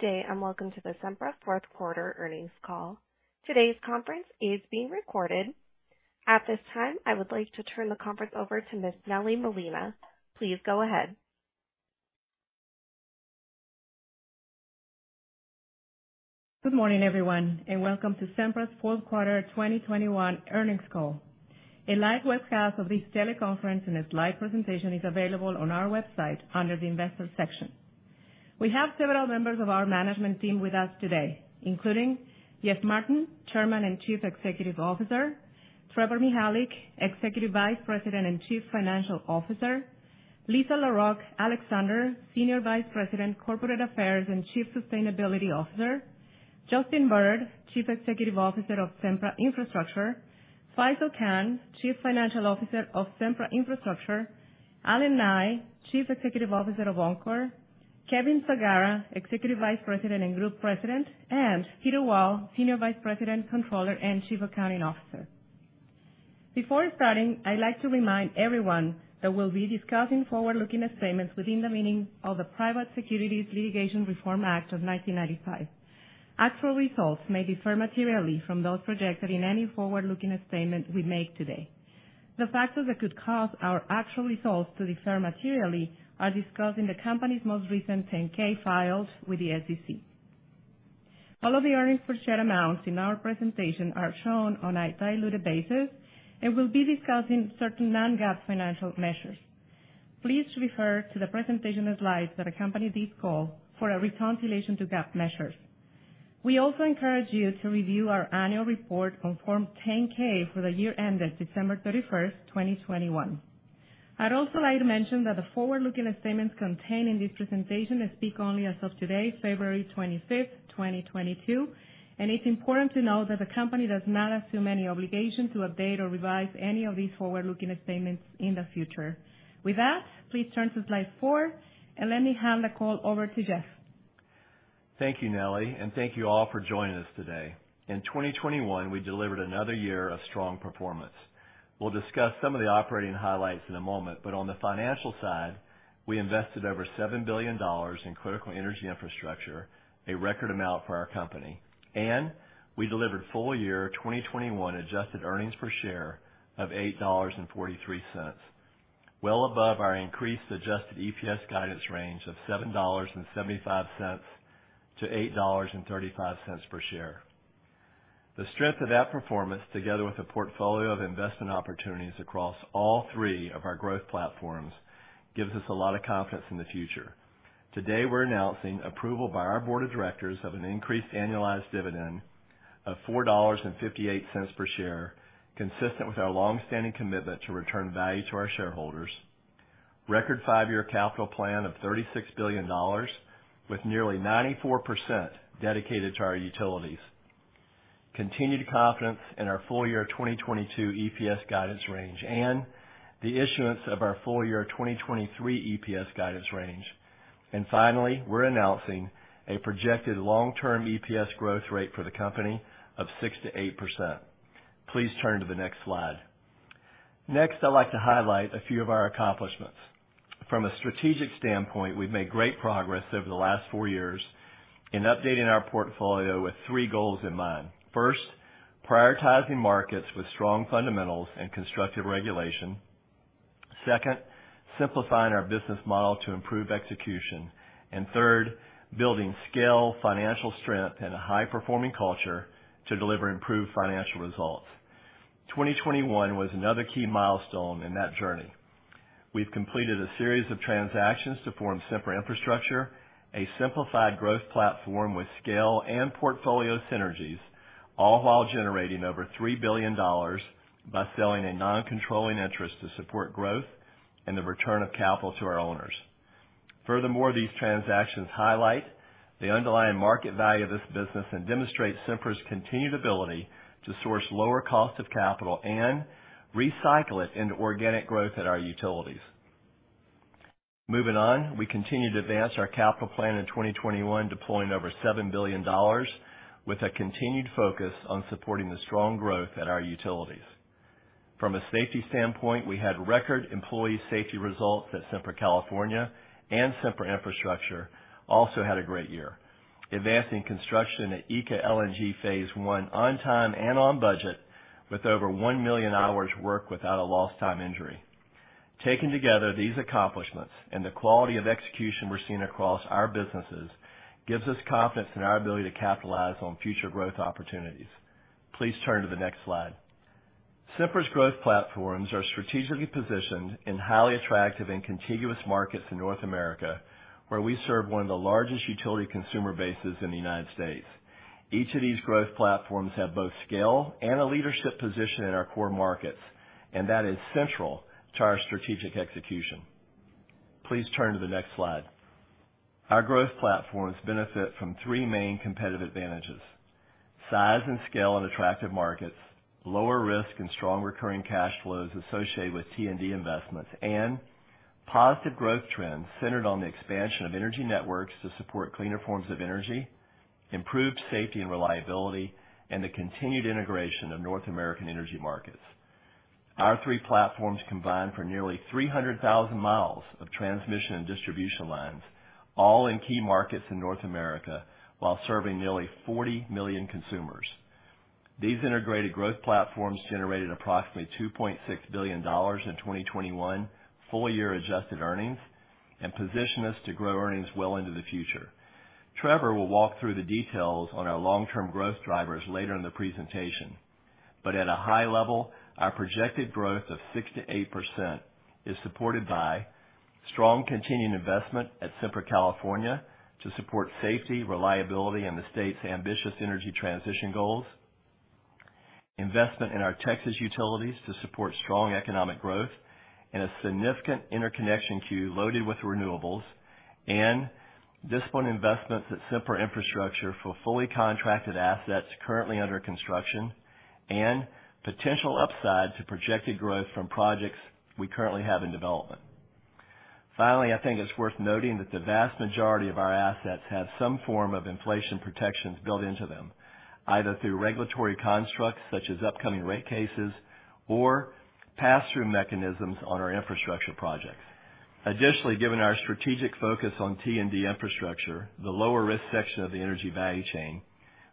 Good day, and welcome to the Sempra fourth quarter earnings call. Today's conference is being recorded. At this time, I would like to turn the conference over to Ms. Nelly Molina. Please go ahead. Good morning, everyone, and welcome to Sempra's Fourth Quarter 2021 Earnings Call. A live webcast of this teleconference and its live presentation is available on our website under the Investors section. We have several members of our management team with us today, including Jeff Martin, Chairman and Chief Executive Officer, Trevor Mihalik, Executive Vice President and Chief Financial Officer, Lisa Larroque Alexander, Senior Vice President, Corporate Affairs and Chief Sustainability Officer, Justin Bird, Chief Executive Officer of Sempra Infrastructure, Faisel Khan, Chief Financial Officer of Sempra Infrastructure, Allen Nye, Chief Executive Officer of Oncor, Kevin Sagara, Executive Vice President and Group President, and Peter Wall, Senior Vice President, Controller and Chief Accounting Officer. Before starting, I'd like to remind everyone that we'll be discussing forward-looking statements within the meaning of the Private Securities Litigation Reform Act of 1995. Actual results may differ materially from those projected in any forward-looking statement we make today. The factors that could cause our actual results to differ materially are discussed in the company's most recent 10-K filed with the SEC. All of the earnings per share amounts in our presentation are shown on a diluted basis, and we'll be discussing certain non-GAAP financial measures. Please refer to the presentation slides that accompany this call for a reconciliation to GAAP measures. We also encourage you to review our annual report on Form 10-K for the year ended December 31, 2021. I'd also like to mention that the forward-looking statements contained in this presentation speak only as of today, February 25, 2022. It's important to note that the company does not assume any obligation to update or revise any of these forward-looking statements in the future. With that, please turn to slide 4 and let me hand the call over to Jeff. Thank you, Nelly, and thank you all for joining us today. In 2021, we delivered another year of strong performance. We'll discuss some of the operating highlights in a moment, but on the financial side, we invested over $7 billion in critical energy infrastructure, a record amount for our company. We delivered full year 2021 adjusted earnings per share of $8.43, well above our increased adjusted EPS guidance range of $7.75-$8.35 per share. The strength of that performance, together with a portfolio of investment opportunities across all three of our growth platforms, gives us a lot of confidence in the future. Today, we're announcing approval by our board of directors of an increased annualized dividend of $4.58 per share, consistent with our long-standing commitment to return value to our shareholders. Record five-year capital plan of $36 billion, with nearly 94% dedicated to our utilities. Continued confidence in our full-year 2022 EPS guidance range and the issuance of our full-year 2023 EPS guidance range. Finally, we're announcing a projected long-term EPS growth rate for the company of 6%-8%. Please turn to the next slide. Next, I'd like to highlight a few of our accomplishments. From a strategic standpoint, we've made great progress over the last 4 years in updating our portfolio with three goals in mind. First, prioritizing markets with strong fundamentals and constructive regulation. Second, simplifying our business model to improve execution. Third, building scale, financial strength, and a high-performing culture to deliver improved financial results. 2021 was another key milestone in that journey. We've completed a series of transactions to form Sempra Infrastructure, a simplified growth platform with scale and portfolio synergies, all while generating over $3 billion by selling a non-controlling interest to support growth and the return of capital to our owners. Furthermore, these transactions highlight the underlying market value of this business and demonstrate Sempra's continued ability to source lower cost of capital and recycle it into organic growth at our utilities. Moving on, we continue to advance our capital plan in 2021, deploying over $7 billion with a continued focus on supporting the strong growth at our utilities. From a safety standpoint, we had record employee safety results at Sempra California, and Sempra Infrastructure also had a great year. Advancing construction at ECA LNG Phase 1 on time and on budget with over 1 million hours worked without a lost time injury. Taken together, these accomplishments and the quality of execution we're seeing across our businesses gives us confidence in our ability to capitalize on future growth opportunities. Please turn to the next slide. Sempra's growth platforms are strategically positioned in highly attractive and contiguous markets in North America, where we serve one of the largest utility consumer bases in the United States. Each of these growth platforms have both scale and a leadership position in our core markets, and that is central to our strategic execution. Please turn to the next slide. Our growth platforms benefit from three main competitive advantages. Size and scale in attractive markets. Lower risk and strong recurring cash flows associated with T&D investments. Positive growth trends centered on the expansion of energy networks to support cleaner forms of energy, improved safety and reliability, and the continued integration of North American energy markets. Our three platforms combined for nearly 300,000 miles of transmission and distribution lines, all in key markets in North America, while serving nearly 40 million consumers. These integrated growth platforms generated approximately $2.6 billion in 2021 full year adjusted earnings and position us to grow earnings well into the future. Trevor will walk through the details on our long-term growth drivers later in the presentation, but at a high level, our projected growth of 6%-8% is supported by strong continuing investment at Sempra California to support safety, reliability and the state's ambitious energy transition goals. Investment in our Texas utilities to support strong economic growth and a significant interconnection queue loaded with renewables and disciplined investments at Sempra Infrastructure for fully contracted assets currently under construction and potential upside to projected growth from projects we currently have in development. Finally, I think it's worth noting that the vast majority of our assets have some form of inflation protections built into them, either through regulatory constructs such as upcoming rate cases or pass-through mechanisms on our infrastructure projects. Additionally, given our strategic focus on T&D infrastructure, the lower-risk section of the energy value chain,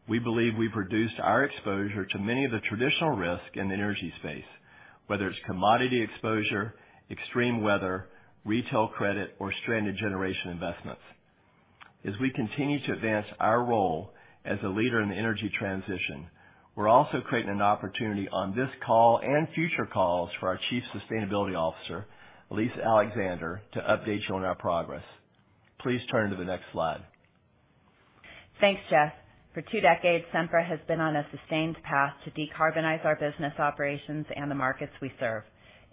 we believe we've reduced our exposure to many of the traditional risks in the energy space, whether it's commodity exposure, extreme weather, retail credit, or stranded generation investments. As we continue to advance our role as a leader in the energy transition, we're also creating an opportunity on this call and future calls for our Chief Sustainability Officer, Lisa Alexander, to update you on our progress. Please turn to the next slide. Thanks, Jeff. For two decades, Sempra has been on a sustained path to decarbonize our business operations and the markets we serve.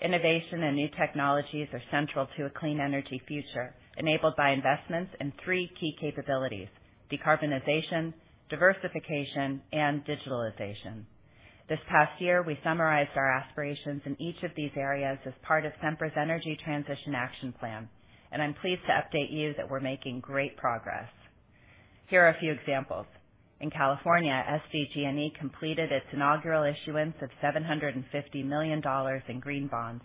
Innovation and new technologies are central to a clean energy future, enabled by investments in three key capabilities, decarbonization, diversification, and digitalization. This past year, we summarized our aspirations in each of these areas as part of Sempra's Energy Transition Action Plan, and I'm pleased to update you that we're making great progress. Here are a few examples. In California, SDG&E completed its inaugural issuance of $750 million in green bonds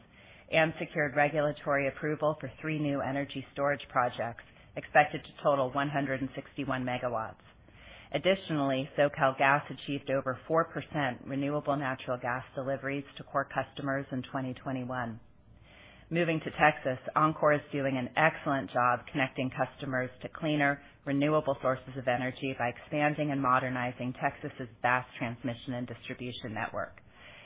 and secured regulatory approval for three new energy storage projects expected to total 161 MW. Additionally, SoCalGas achieved over 4% renewable natural gas deliveries to core customers in 2021. Moving to Texas, Oncor is doing an excellent job connecting customers to cleaner, renewable sources of energy by expanding and modernizing Texas' vast transmission and distribution network.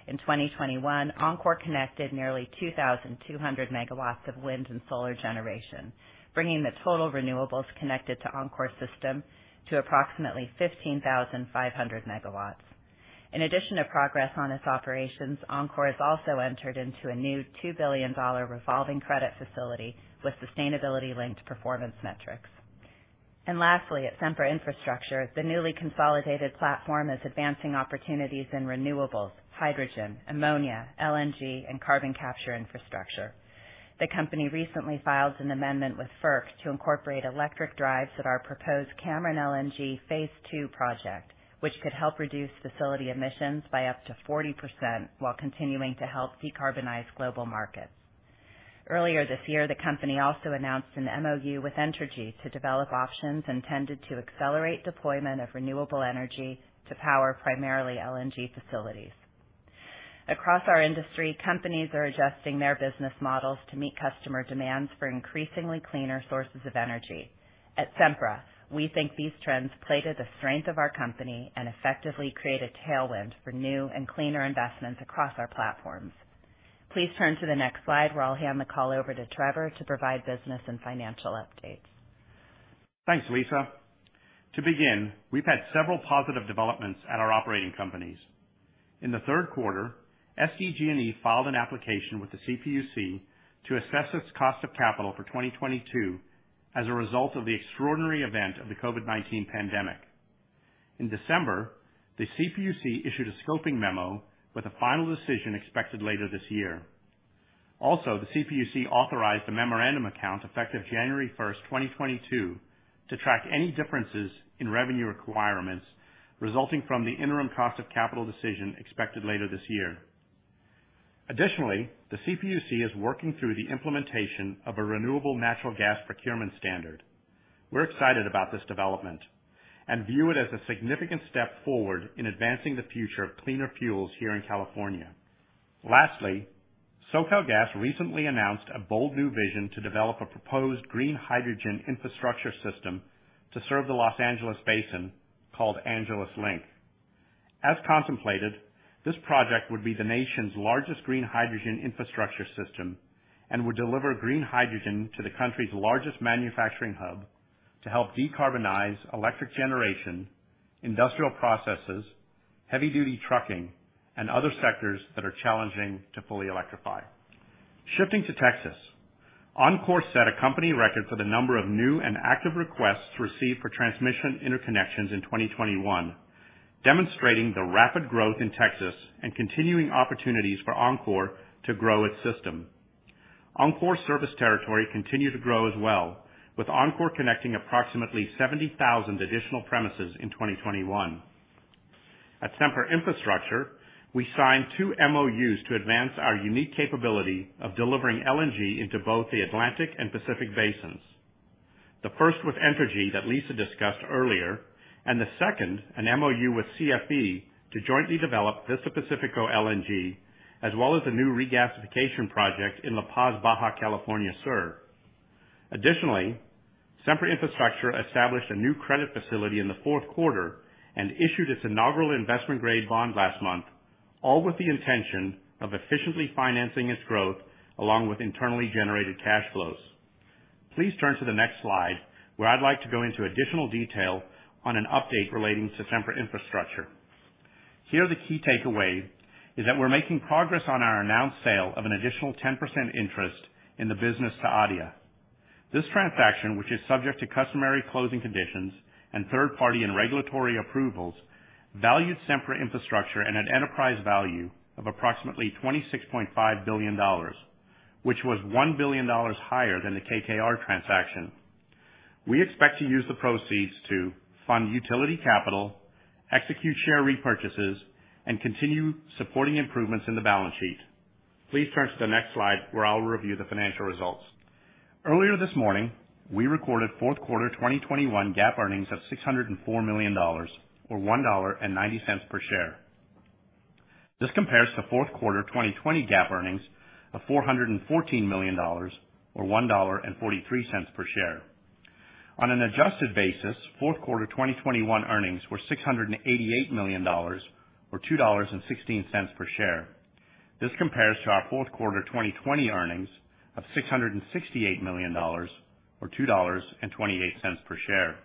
In 2021, Oncor connected nearly 2,200 MW of wind and solar generation, bringing the total renewables connected to Oncor system to approximately 15,500 MW. In addition to progress on its operations, Oncor has also entered into a new $2 billion revolving credit facility with sustainability-linked performance metrics. Lastly, at Sempra Infrastructure, the newly consolidated platform is advancing opportunities in renewables, hydrogen, ammonia, LNG, and carbon capture infrastructure. The company recently filed an amendment with FERC to incorporate electric drives at our proposed Cameron LNG phase two project, which could help reduce facility emissions by up to 40% while continuing to help de-carbonize global markets. Earlier this year, the company also announced an MoU with Entergy to develop options intended to accelerate deployment of renewable energy to power primarily LNG facilities. Across our industry, companies are adjusting their business models to meet customer demands for increasingly cleaner sources of energy. At Sempra, we think these trends play to the strength of our company and effectively create a tailwind for new and cleaner investments across our platforms. Please turn to the next slide where I'll hand the call over to Trevor to provide business and financial updates. Thanks, Lisa. To begin, we've had several positive developments at our operating companies. In the third quarter, SDG&E filed an application with the CPUC to assess its cost of capital for 2022 as a result of the extraordinary event of the COVID-19 pandemic. In December, the CPUC issued a scoping memo with a final decision expected later this year. Also, the CPUC authorized a memorandum account effective January 1, 2022, to track any differences in revenue requirements resulting from the interim cost of capital decision expected later this year. Additionally, the CPUC is working through the implementation of a renewable natural gas procurement standard. We're excited about this development and view it as a significant step forward in advancing the future of cleaner fuels here in California. Lastly, SoCalGas recently announced a bold new vision to develop a proposed green hydrogen infrastructure system to serve the Los Angeles Basin called Angeles Link. As contemplated, this project would be the nation's largest green hydrogen infrastructure system and would deliver green hydrogen to the country's largest manufacturing hub to help de-carbonize electric generation, industrial processes, heavy-duty trucking, and other sectors that are challenging to fully electrify. Shifting to Texas, Oncor set a company record for the number of new and active requests received for transmission interconnections in 2021, demonstrating the rapid growth in Texas and continuing opportunities for Oncor to grow its system. Oncor service territory continued to grow as well, with Oncor connecting approximately 70,000 additional premises in 2021. At Sempra Infrastructure, we signed 2 MoUs to advance our unique capability of delivering LNG into both the Atlantic and Pacific basins. The first with Entergy that Lisa discussed earlier, and the second an MoU with CFE to jointly develop Vista Pacifico LNG, as well as the new regasification project in La Paz, Baja California Sur. Additionally, Sempra Infrastructure established a new credit facility in the fourth quarter and issued its inaugural investment-grade bond last month, all with the intention of efficiently financing its growth along with internally generated cash flows. Please turn to the next slide, where I'd like to go into additional detail on an update relating to Sempra Infrastructure. Here, the key takeaway is that we're making progress on our announced sale of an additional 10% interest in the business to ADIA. This transaction, which is subject to customary closing conditions and third party and regulatory approvals, valued Sempra Infrastructure at an enterprise value of approximately $26.5 billion, which was $1 billion higher than the KKR transaction. We expect to use the proceeds to fund utility capital, execute share repurchases, and continue supporting improvements in the balance sheet. Please turn to the next slide where I'll review the financial results. Earlier this morning, we recorded fourth quarter 2021 GAAP earnings of $604 million or $1.90 per share. This compares to fourth quarter 2020 GAAP earnings of $414 million or $1.43 per share. On an adjusted basis, fourth quarter 2021 earnings were $688 million or $2.16 per share. This compares to our fourth quarter 2020 earnings of $668 million or $2.28 per share.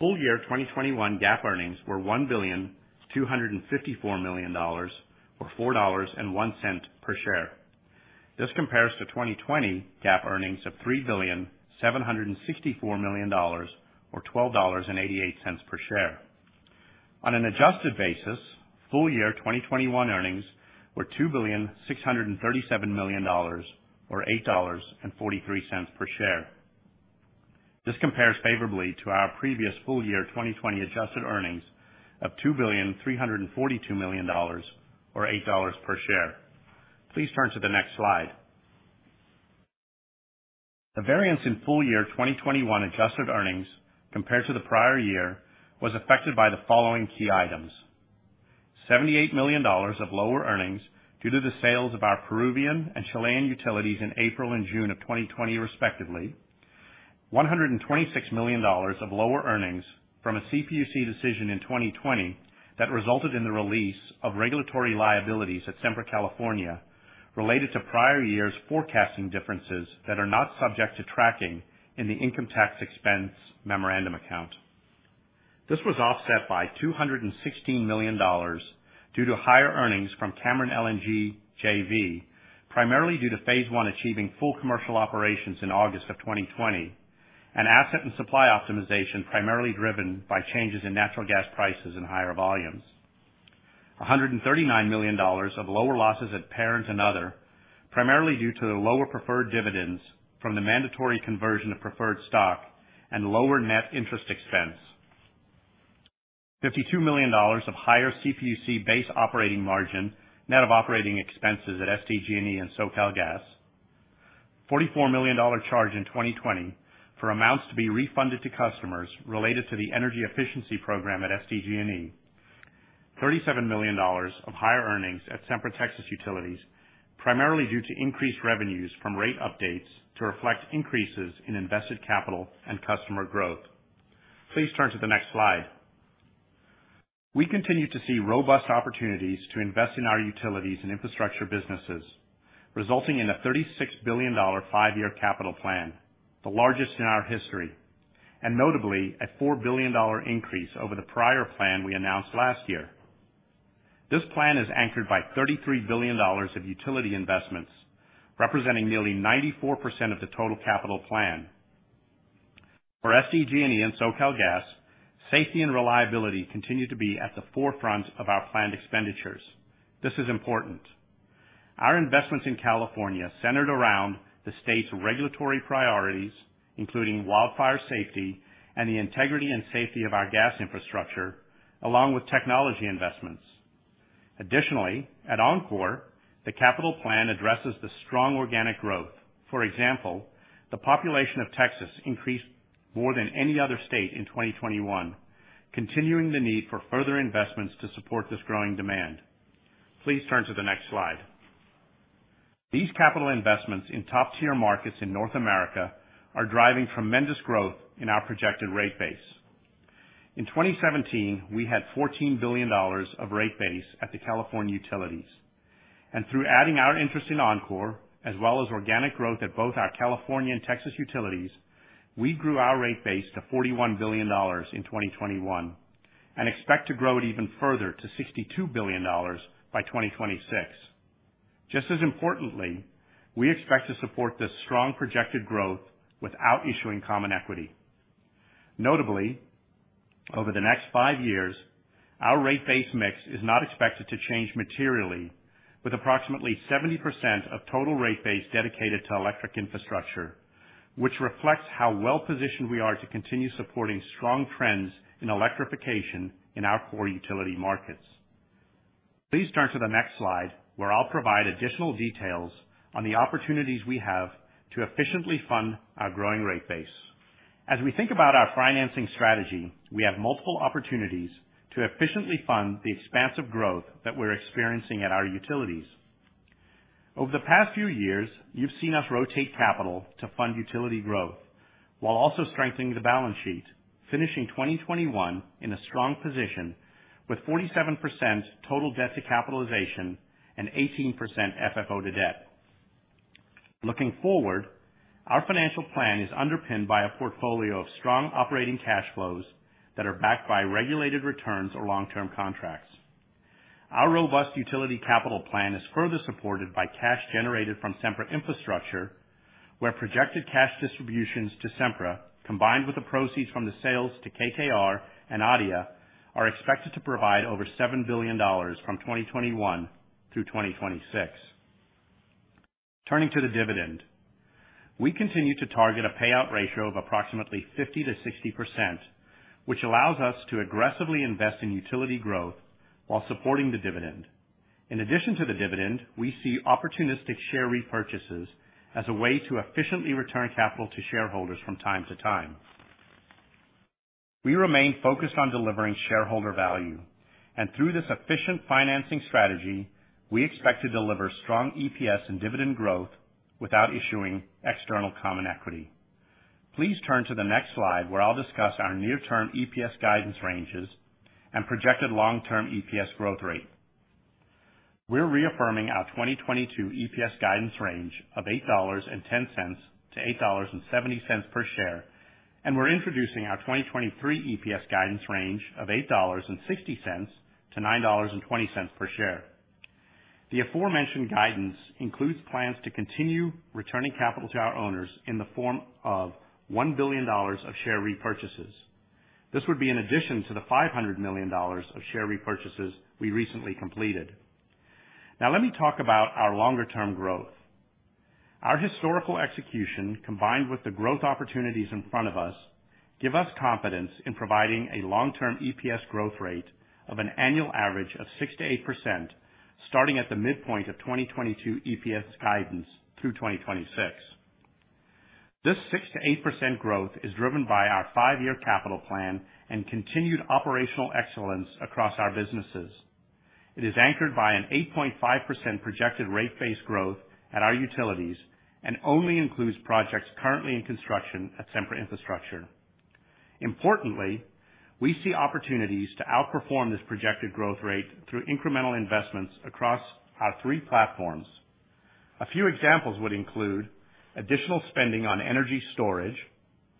Full year 2021 GAAP earnings were $1.254 billion or $4.01 per share. This compares to 2020 GAAP earnings of $3.764 billion or $12.88 per share. On an adjusted basis, full year 2021 earnings were $2.637 billion or $8.43 per share. This compares favorably to our previous full year 2020 adjusted earnings of $2.342 billion or $8 per share. Please turn to the next slide. The variance in full year 2021 adjusted earnings compared to the prior year was affected by the following key items. $78 million of lower earnings due to the sales of our Peruvian and Chilean utilities in April and June of 2020 respectively. $126 million of lower earnings from a CPUC decision in 2020 that resulted in the release of regulatory liabilities at Sempra California related to prior years' forecasting differences that are not subject to tracking in the income tax expense memorandum account. This was offset by $216 million due to higher earnings from Cameron LNG JV, primarily due to Phase 1 achieving full commercial operations in August of 2020 and asset and supply optimization, primarily driven by changes in natural gas prices and higher volumes. $139 million of lower losses at parent and other, primarily due to the lower preferred dividends from the mandatory conversion of preferred stock and lower net interest expense. $52 million of higher CPUC base operating margin, net of operating expenses at SDG&E and SoCalGas. $44 million charge in 2020 for amounts to be refunded to customers related to the energy efficiency program at SDG&E. $37 million of higher earnings at Sempra Texas Utilities, primarily due to increased revenues from rate updates to reflect increases in invested capital and customer growth. Please turn to the next slide. We continue to see robust opportunities to invest in our utilities and infrastructure businesses, resulting in a $36 billion five-year capital plan, the largest in our history, and notably a $4 billion increase over the prior plan we announced last year. This plan is anchored by $33 billion of utility investments, representing nearly 94% of the total capital plan. For SDG&E and SoCalGas, safety and reliability continue to be at the forefront of our planned expenditures. This is important. Our investments in California centered around the state's regulatory priorities, including wildfire safety and the integrity and safety of our gas infrastructure, along with technology investments. Additionally, at Oncor, the capital plan addresses the strong organic growth. For example, the population of Texas increased more than any other state in 2021, continuing the need for further investments to support this growing demand. Please turn to the next slide. These capital investments in top-tier markets in North America are driving tremendous growth in our projected rate base. In 2017, we had $14 billion of rate base at the California utilities. Through adding our interest in Oncor, as well as organic growth at both our California and Texas utilities, we grew our rate base to $41 billion in 2021 and expect to grow it even further to $62 billion by 2026. Just as importantly, we expect to support this strong projected growth without issuing common equity. Notably, over the next five years, our rate base mix is not expected to change materially with approximately 70% of total rate base dedicated to electric infrastructure, which reflects how well-positioned we are to continue supporting strong trends in electrification in our core utility markets. Please turn to the next slide, where I'll provide additional details on the opportunities we have to efficiently fund our growing rate base. As we think about our financing strategy, we have multiple opportunities to efficiently fund the expansive growth that we're experiencing at our utilities. Over the past few years, you've seen us rotate capital to fund utility growth while also strengthening the balance sheet, finishing 2021 in a strong position with 47% total debt to capitalization and 18% FFO to debt. Looking forward, our financial plan is underpinned by a portfolio of strong operating cash flows that are backed by regulated returns or long-term contracts. Our robust utility capital plan is further supported by cash generated from Sempra Infrastructure, where projected cash distributions to Sempra, combined with the proceeds from the sales to KKR and ADIA, are expected to provide over $7 billion from 2021 through 2026. Turning to the dividend. We continue to target a payout ratio of approximately 50%-60%, which allows us to aggressively invest in utility growth while supporting the dividend. In addition to the dividend, we see opportunistic share repurchases as a way to efficiently return capital to shareholders from time to time. We remain focused on delivering shareholder value. Through this efficient financing strategy, we expect to deliver strong EPS and dividend growth without issuing external common equity. Please turn to the next slide, where I'll discuss our near-term EPS guidance ranges and projected long-term EPS growth rate. We're reaffirming our 2022 EPS guidance range of $8.10-$8.70 per share, and we're introducing our 2023 EPS guidance range of $8.60-$9.20 per share. The aforementioned guidance includes plans to continue returning capital to our owners in the form of $1 billion of share repurchases. This would be in addition to the $500 million of share repurchases we recently completed. Now, let me talk about our longer term growth. Our historical execution, combined with the growth opportunities in front of us, give us confidence in providing a long-term EPS growth rate of an annual average of 6%-8%, starting at the midpoint of 2022 EPS guidance through 2026. This 6%-8% growth is driven by our five-year capital plan and continued operational excellence across our businesses. It is anchored by an 8.5% projected rate-based growth at our utilities and only includes projects currently in construction at Sempra Infrastructure. Importantly, we see opportunities to outperform this projected growth rate through incremental investments across our three platforms. A few examples would include additional spending on energy storage,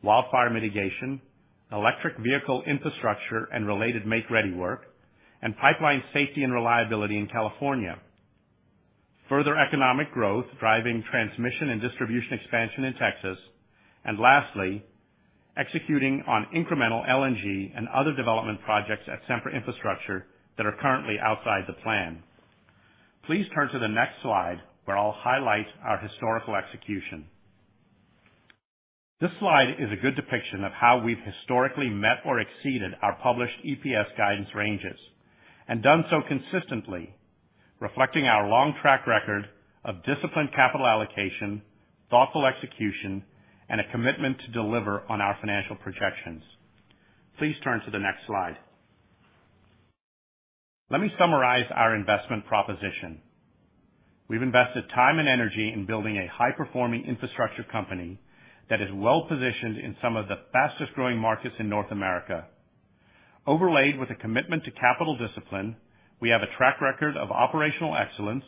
wildfire mitigation, electric vehicle infrastructure, and related make-ready work, and pipeline safety and reliability in California, further economic growth driving transmission and distribution expansion in Texas. Lastly, executing on incremental LNG and other development projects at Sempra Infrastructure that are currently outside the plan. Please turn to the next slide, where I'll highlight our historical execution. This slide is a good depiction of how we've historically met or exceeded our published EPS guidance ranges and done so consistently, reflecting our long track record of disciplined capital allocation, thoughtful execution, and a commitment to deliver on our financial projections. Please turn to the next slide. Let me summarize our investment proposition. We've invested time and energy in building a high-performing infrastructure company that is well-positioned in some of the fastest-growing markets in North America. Overlaid with a commitment to capital discipline, we have a track record of operational excellence,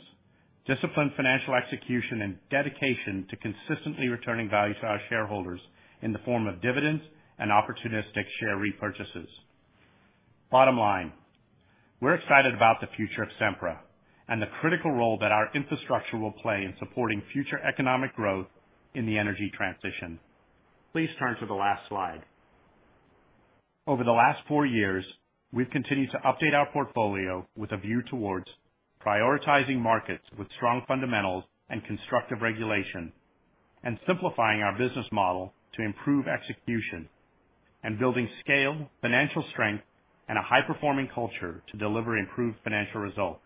disciplined financial execution, and dedication to consistently returning value to our shareholders in the form of dividends and opportunistic share repurchases. Bottom line, we're excited about the future of Sempra and the critical role that our infrastructure will play in supporting future economic growth in the energy transition. Please turn to the last slide. Over the last four years, we've continued to update our portfolio with a view towards prioritizing markets with strong fundamentals and constructive regulation, and simplifying our business model to improve execution and building scale, financial strength, and a high-performing culture to deliver improved financial results.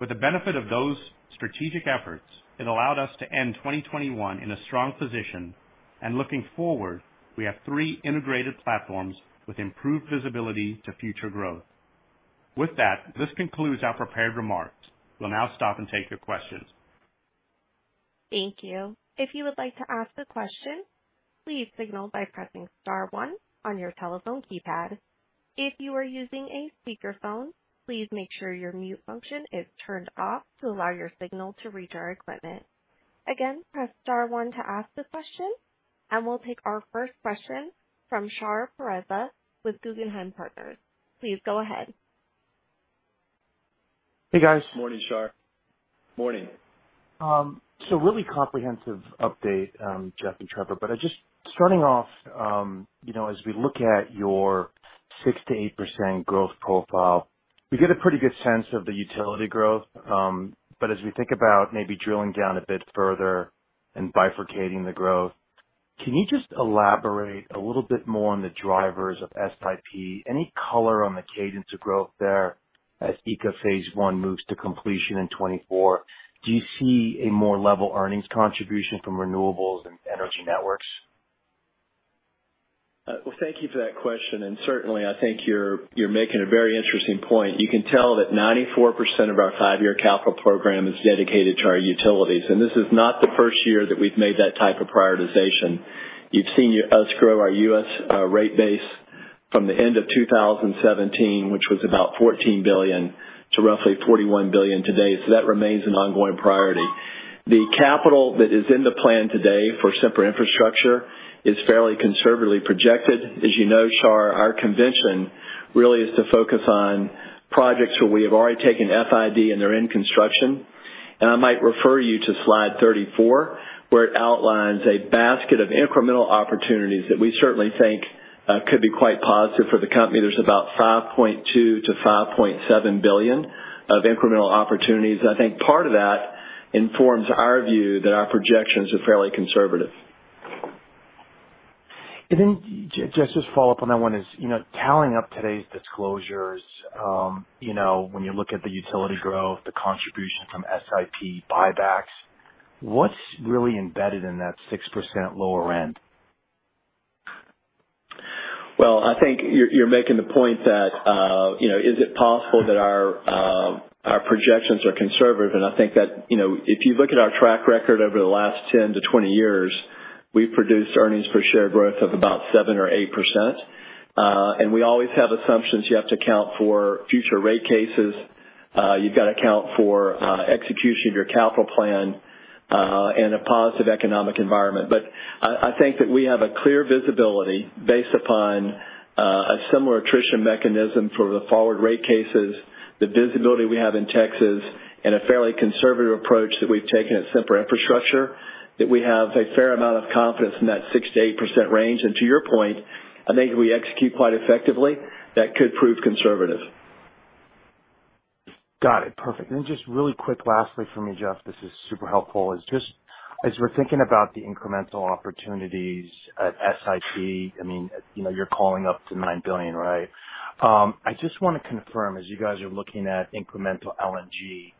With the benefit of those strategic efforts, it allowed us to end 2021 in a strong position. Looking forward, we have three integrated platforms with improved visibility to future growth. With that, this concludes our prepared remarks. We'll now stop and take your questions. Thank you. If you would like to ask a question, please signal by pressing star one on your telephone keypad. If you are using a speakerphone, please make sure your mute function is turned off to allow your signal to reach our equipment. Again, press star one to ask a question, and we'll take our first question from Shar Pourreza with Guggenheim Partners. Please go ahead. Hey guys. Morning, Shar. Morning. Really comprehensive update, Jeff and Trevor. I just starting off, you know, as we look at your 6%-8% growth profile, we get a pretty good sense of the utility growth. As we think about maybe drilling down a bit further and bifurcating the growth, can you just elaborate a little bit more on the drivers of SIP? Any color on the cadence of growth there as ECA Phase 1 moves to completion in 2024? Do you see a more level earnings contribution from renewables and energy networks? Well, thank you for that question, and certainly I think you're making a very interesting point. You can tell that 94% of our five-year capital program is dedicated to our utilities, and this is not the first year that we've made that type of prioritization. You've seen us grow our U.S. rate base from the end of 2017, which was about $14 billion, to roughly $41 billion today. So that remains an ongoing priority. The capital that is in the plan today for Sempra Infrastructure is fairly conservatively projected. As you know, SHAR, our convention really is to focus on projects where we have already taken FID and they're in construction. I might refer you to slide 34, where it outlines a basket of incremental opportunities that we certainly think could be quite positive for the company. There's about $5.2 billion-$5.7 billion of incremental opportunities. I think part of that informs our view that our projections are fairly conservative. Jeff Martin, just to follow up on that one is, you know, tallying up today's disclosures, you know, when you look at the utility growth, the contribution from SIP buybacks, what's really embedded in that 6% lower end? Well, I think you're making the point that, you know, is it possible that our projections are conservative? I think that, you know, if you look at our track record over the last 10-20 years, we've produced earnings per share growth of about 7% or 8%. We always have assumptions. You have to account for future rate cases. You've got to account for execution of your capital plan and a positive economic environment. I think that we have a clear visibility based upon a similar attrition mechanism for the forward rate cases, the visibility we have in Texas and a fairly conservative approach that we've taken at Sempra Infrastructure, that we have a fair amount of confidence in that 6%-8% range. To your point, I think if we execute quite effectively, that could prove conservative. Got it. Perfect. Just really quick lastly for me, Jeff, this is super helpful, is just as we're thinking about the incremental opportunities at SIP, I mean, you know, you're calling up to $9 billion, right? I just wanna confirm, as you guys are looking at incremental LNG,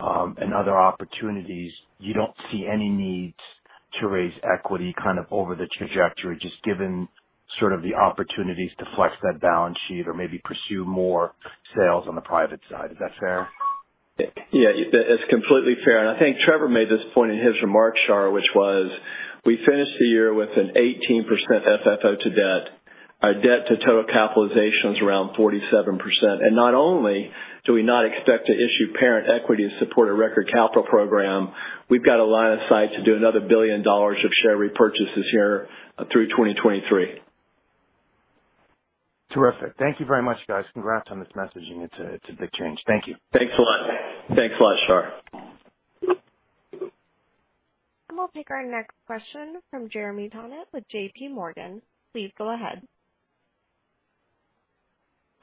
and other opportunities, you don't see any needs to raise equity kind of over the trajectory, just given sort of the opportunities to flex that balance sheet or maybe pursue more sales on the private side. Is that fair? Yeah, it's completely fair. I think Trevor made this point in his remarks, SHAR, which was we finished the year with an 18% FFO to debt. Our debt to total capitalization is around 47%. Not only do we not expect to issue parent equity to support a record capital program, we've got a line of sight to do another $1 billion of share repurchases here through 2023. Terrific. Thank you very much, guys. Congrats on this messaging. It's a big change. Thank you. Thanks a lot. Thanks a lot, Shar. We'll take our next question from Jeremy Tonet with JPMorgan. Please go ahead.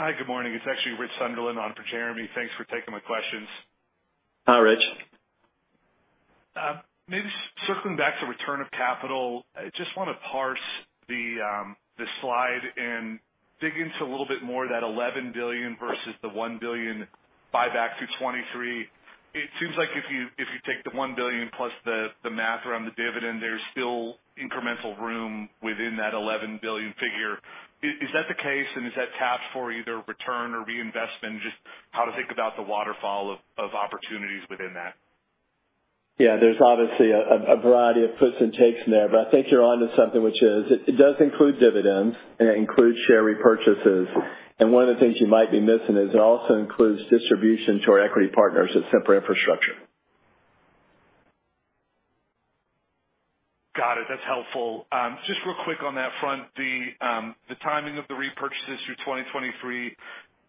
Hi. Good morning. It's actually Rich Sunderland on for Jeremy. Thanks for taking my questions. Hi, Rich. Maybe circling back to return of capital, I just wanna parse the slide and dig into a little bit more that $11 billion versus the $1 billion buyback through 2023. It seems like if you take the $1 billion plus the math around the dividend, there's still incremental room within that $11 billion figure. Is that the case? And is that tapped for either return or reinvestment? Just how to think about the waterfall of opportunities within that? Yeah, there's obviously a variety of puts and takes in there, but I think you're onto something which is it does include dividends and it includes share repurchases. One of the things you might be missing is it also includes distribution to our equity partners at Sempra Infrastructure. Got it. That's helpful. Just real quick on that front. The timing of the repurchases through 2023,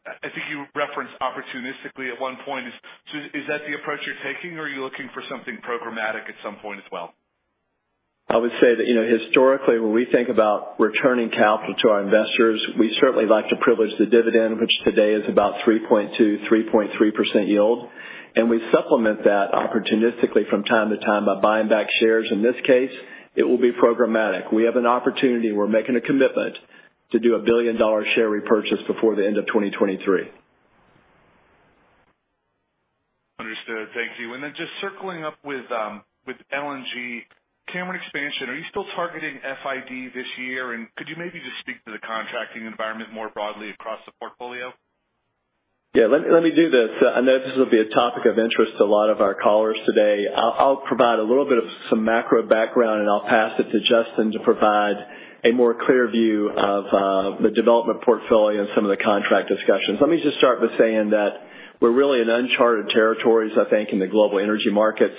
I think you referenced opportunistically at one point. So is that the approach you're taking or are you looking for something programmatic at some point as well? I would say that, you know, historically, when we think about returning capital to our investors, we certainly like to privilege the dividend, which today is about 3.2-3.3% yield. We supplement that opportunistically from time to time by buying back shares. In this case, it will be programmatic. We have an opportunity. We're making a commitment to do a billion-dollar share repurchase before the end of 2023. Understood. Thank you. Just circling up with Cameron LNG expansion, are you still targeting FID this year? Could you maybe just speak to the contracting environment more broadly across the portfolio? Yeah, let me do this. I know this will be a topic of interest to a lot of our callers today. I'll provide a little bit of some macro background, and I'll pass it to Justin to provide a more clear view of the development portfolio and some of the contract discussions. Let me just start with saying that we're really in uncharted territories, I think, in the global energy markets.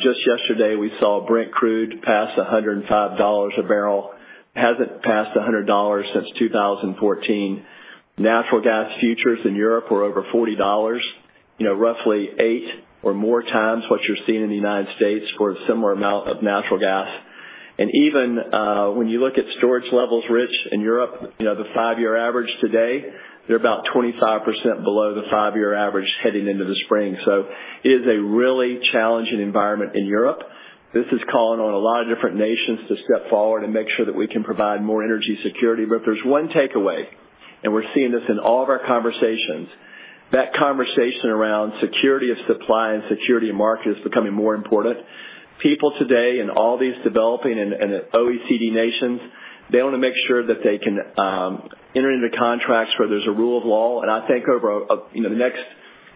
Just yesterday, we saw Brent Crude pass $105 a barrel. Hasn't passed $100 since 2014. Natural gas futures in Europe were over $40, you know, roughly eight or more times what you're seeing in the United States for a similar amount of natural gas. Even when you look at storage levels, Rich, in Europe, you know, the five-year average today, they're about 25% below the five-year average heading into the spring. It is a really challenging environment in Europe. This is calling on a lot of different nations to step forward and make sure that we can provide more energy security. If there's one takeaway, and we're seeing this in all of our conversations, that conversation around security of supply and security of market is becoming more important. People today in all these developing and OECD nations, they wanna make sure that they can enter into contracts where there's a rule of law. I think over, you know, the next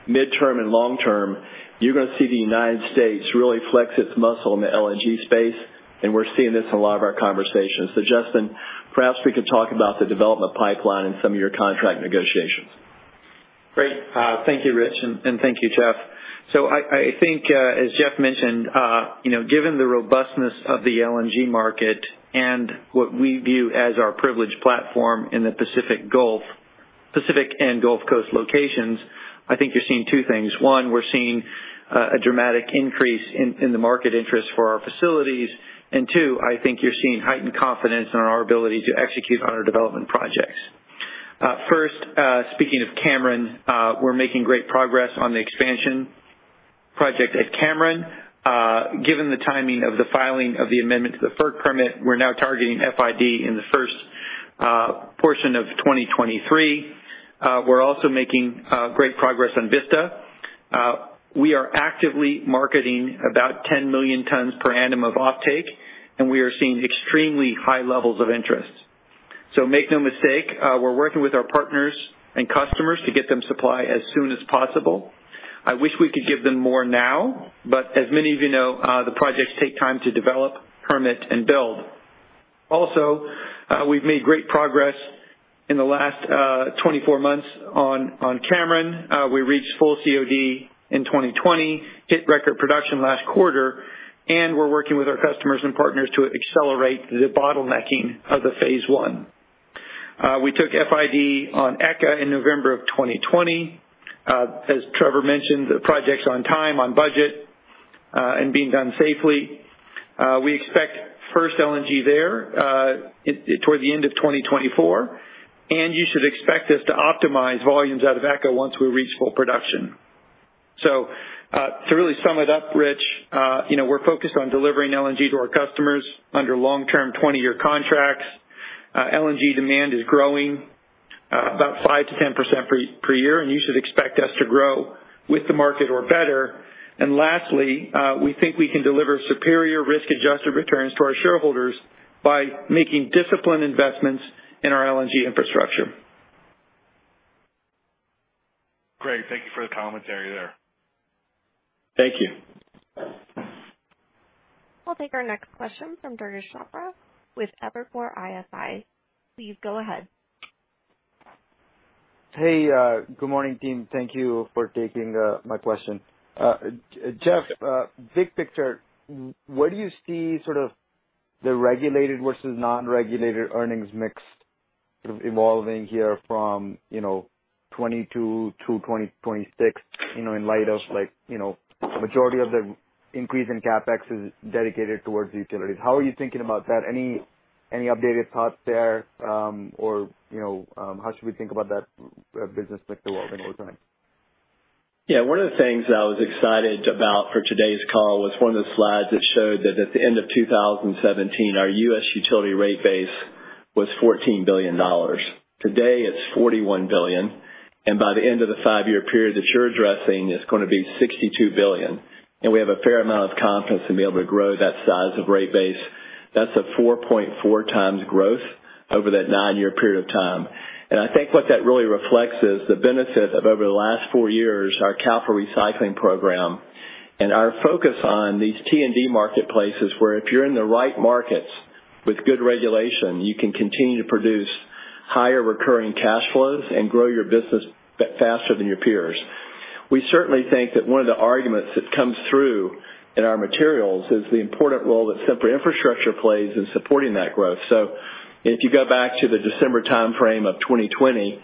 midterm and long term, you're gonna see the United States really flex its muscle in the LNG space, and we're seeing this in a lot of our conversations. Justin, perhaps we could talk about the development pipeline in some of your contract negotiations. Great. Thank you, Rich, and thank you, Jeff. I think, as Jeff mentioned, you know, given the robustness of the LNG market and what we view as our privileged platform in the Pacific and Gulf Coast locations, I think you're seeing two things. One, we're seeing a dramatic increase in the market interest for our facilities. Two, I think you're seeing heightened confidence in our ability to execute on our development projects. First, speaking of Cameron, we're making great progress on the expansion project at Cameron. Given the timing of the filing of the amendment to the FERC permit, we're now targeting FID in the first portion of 2023. We're also making great progress on Vista. We are actively marketing about 10 million tons per annum off-take, and we are seeing extremely high levels of interest. Make no mistake, we're working with our partners and customers to get them supply as soon as possible. I wish we could give them more now, but as many of you know, the projects take time to develop, permit, and build. Also, we've made great progress in the last 24 months on Cameron. We reached full COD in 2020, hit record production last quarter, and we're working with our customers and partners to accelerate the bottlenecking of the Phase 1. We took FID on ECA in November 2020. As Trevor mentioned, the project's on time, on budget, and being done safely. We expect first LNG there toward the end of 2024, and you should expect us to optimize volumes out of ECA once we reach full production. To really sum it up, Rich, you know, we're focused on delivering LNG to our customers under long-term 20-year contracts. LNG demand is growing about 5%-10% per year, and you should expect us to grow with the market or better. Lastly, we think we can deliver superior risk-adjusted returns to our shareholders by making disciplined investments in our LNG infrastructure. Great. Thank you for the commentary there. Thank you. We'll take our next question from Durgesh Chhabra with Evercore ISI. Please go ahead. Hey, good morning, team. Thank you for taking my question. Jeff, big picture, where do you see sort of the regulated versus non-regulated earnings mix sort of evolving here from 2022 to 2026, you know, in light of, like, you know, the majority of the increase in CapEx is dedicated towards utilities? How are you thinking about that? Any updated thoughts there? Or, you know, how should we think about that business mix evolving over time? Yeah. One of the things I was excited about for today's call was one of the slides that showed that at the end of 2017, our U.S. utility rate base was $14 billion. Today it's $41 billion, and by the end of the five-year period that you're addressing, it's gonna be $62 billion. We have a fair amount of confidence to be able to grow that size of rate base. That's a 4.4 times growth over that 9-year period of time. I think what that really reflects is the benefit of, over the last 4 years, our Capital Recycling Program and our focus on these T&D marketplaces, where if you're in the right markets with good regulation, you can continue to produce higher recurring cash flows and grow your business faster than your peers. We certainly think that one of the arguments that comes through in our materials is the important role that Sempra Infrastructure plays in supporting that growth. If you go back to the December time-frame of 2020,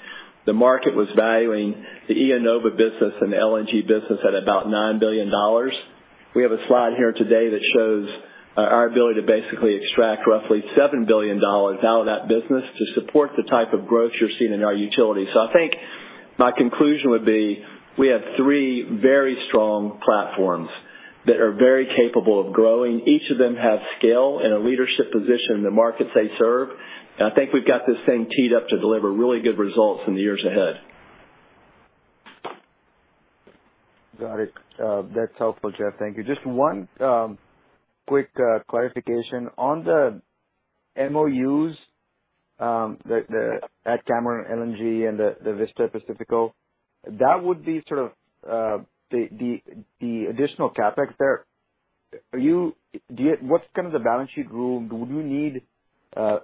the market was valuing the IEnova business and the LNG business at about $9 billion. We have a slide here today that shows our ability to basically extract roughly $7 billion out of that business to support the type of growth you're seeing in our utilities. I think my conclusion would be we have three very strong platforms that are very capable of growing. Each of them have scale and a leadership position in the markets they serve. I think we've got this thing teed up to deliver really good results in the years ahead. Got it. That's helpful, Jeff. Thank you. Just one quick clarification. On the MoUs at Cameron LNG and the Vista Pacifico, that would be sort of the additional CapEx there. What's kind of the balance sheet rule? Do you need-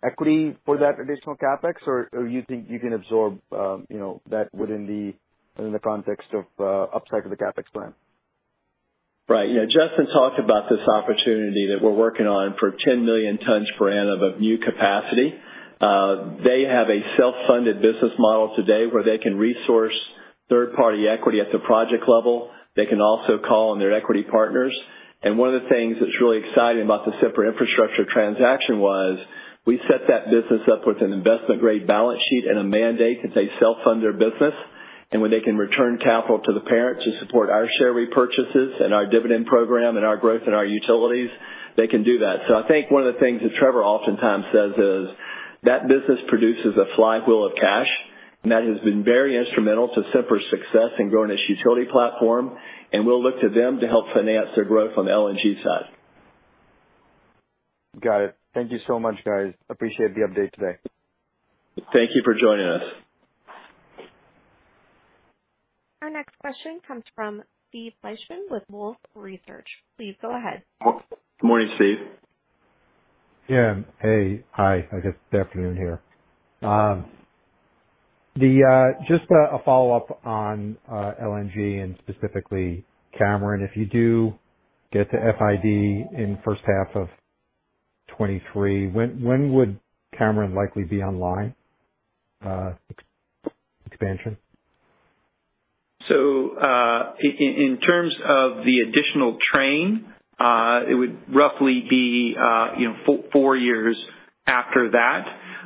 Equity for that additional CapEx? Or you think you can absorb, you know, that within the context of upside of the CapEx plan? Right. Yeah. Justin talked about this opportunity that we're working on for 10 million tons per annum of new capacity. They have a self-funded business model today where they can resource third-party equity at the project level. They can also call on their equity partners. One of the things that's really exciting about the Sempra Infrastructure transaction was we set that business up with an investment-grade balance sheet and a mandate that they self-fund their business. When they can return capital to the parent to support our share repurchases and our dividend program and our growth in our utilities, they can do that. I think one of the things that Trevor oftentimes says is that business produces a flywheel of cash, and that has been very instrumental to Sempra's success in growing its utility platform, and we'll look to them to help finance their growth on the LNG side. Got it. Thank you so much, guys. Appreciate the update today. Thank you for joining us. Our next question comes from Steve Fleishman with Wolfe Research. Please go ahead. Morning, Steve. Hey. Hi. I guess it's afternoon here. Just a follow-up on LNG and specifically Cameron. If you do get to FID in first half of 2023, when would Cameron likely be online, expansion? In terms of the additional train, it would roughly be, you know, 4 years after that.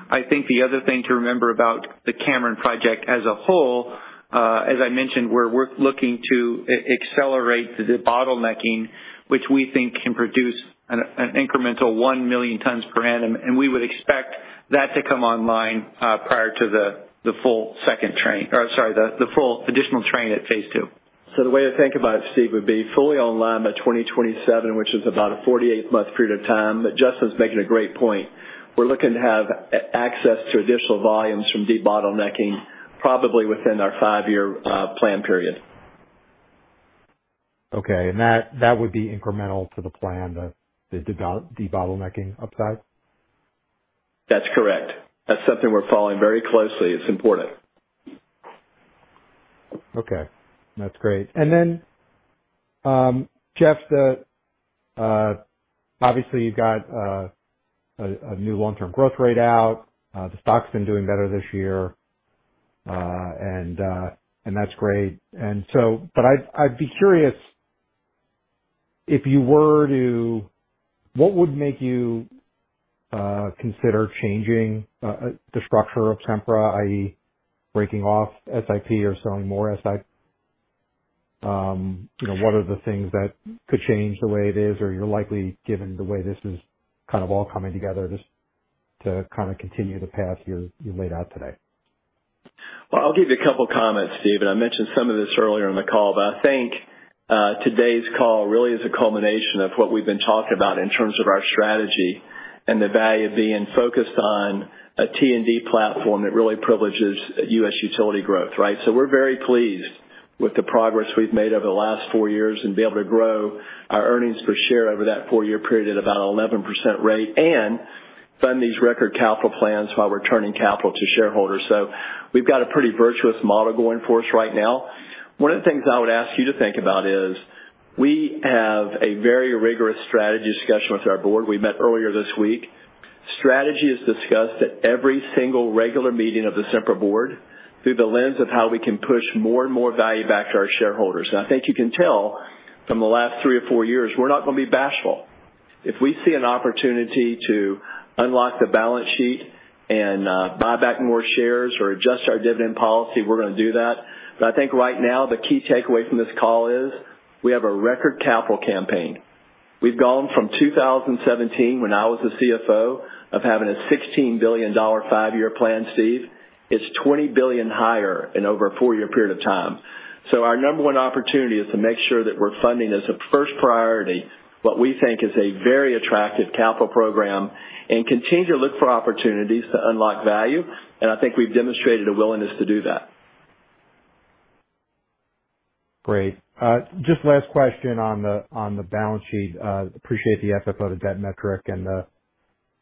I think the other thing to remember about the Cameron project as a whole, as I mentioned, we're looking to accelerate the de-bottlenecking, which we think can produce an incremental 1 million tons per annum, and we would expect that to come online prior to the full second train, or sorry, the full additional train at phase two. The way to think about it, Steve, would be fully online by 2027, which is about a 48-month period of time. Justin's making a great point. We're looking to have access to additional volumes from de-bottlenecking probably within our five-year plan period. Okay. That would be incremental to the plan, the debottlenecking upside? That's correct. That's something we're following very closely. It's important. Okay, that's great. Jeff, obviously, you've got a new long-term growth rate out. The stock's been doing better this year, and that's great. I'd be curious what would make you consider changing the structure of Sempra, i.e., breaking off SIP or selling more SIP? You know, what are the things that could change the way it is, or you're likely, given the way this is kind of all coming together, just to kind of continue the path you laid out today? Well, I'll give you a couple comments, Steve. I mentioned some of this earlier in the call, but I think, today's call really is a culmination of what we've been talking about in terms of our strategy and the value of being focused on a T&D platform that really privileges U.S. utility growth, right? We're very pleased with the progress we've made over the last four years and be able to grow our earnings per share over that four-year period at about 11% rate and fund these record capital plans while we're turning capital to shareholders. We've got a pretty virtuous model going for us right now. One of the things I would ask you to think about is we have a very rigorous strategy discussion with our board. We met earlier this week. Strategy is discussed at every single regular meeting of the Sempra board through the lens of how we can push more and more value back to our shareholders. I think you can tell from the last three or four years, we're not gonna be bashful. If we see an opportunity to unlock the balance sheet and buy back more shares or adjust our dividend policy, we're gonna do that. I think right now the key takeaway from this call is we have a record capital campaign. We've gone from 2017 when I was the CFO of having a $16 billion five-year plan, Steve. It's $20 billion higher in over a four-year period of time. Our number one opportunity is to make sure that we're funding as a first priority what we think is a very attractive capital program and continue to look for opportunities to unlock value. I think we've demonstrated a willingness to do that. Great. Just last question on the balance sheet. Appreciate the FFO to debt metric and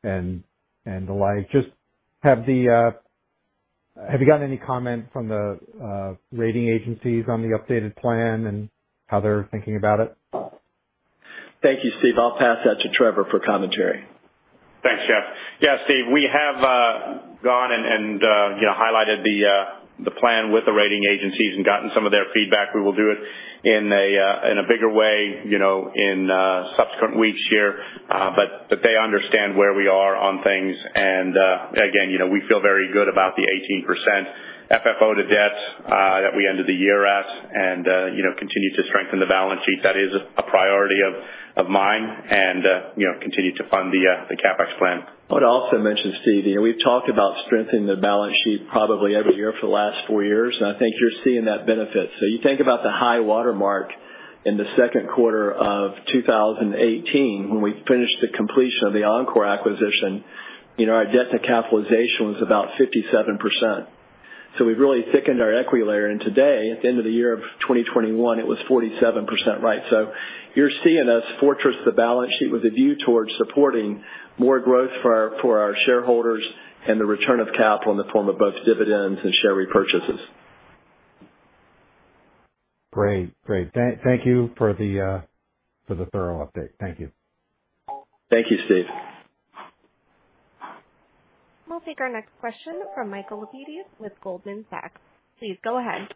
the like. Have you gotten any comment from the rating agencies on the updated plan and how they're thinking about it? Thank you, Steve. I'll pass that to Trevor for commentary. Thanks, Jeff. Yeah, Steve, we have gone and you know, highlighted the plan with the rating agencies and gotten some of their feedback. We will do it in a bigger way, you know, in subsequent weeks here. But they understand where we are on things. Again, you know, we feel very good about the 18% FFO to debt that we ended the year at and you know, continue to strengthen the balance sheet. That is a priority of mine and you know, continue to fund the CapEx plan. I would also mention, Steve, you know, we've talked about strengthening the balance sheet probably every year for the last 4 years, and I think you're seeing that benefit. You think about the high watermark in the second quarter of 2018 when we finished the completion of the Oncor acquisition. You know, our debt to capitalization was about 57%. We've really thickened our equity layer. Today, at the end of the year of 2021, it was 47%. Right? You're seeing us fortress the balance sheet with a view towards supporting more growth for our, for our shareholders and the return of capital in the form of both dividends and share repurchases. Great. Thank you for the thorough update. Thank you. Thank you, Steve. We'll take our next question from Michael Lapides with Goldman Sachs. Please go ahead.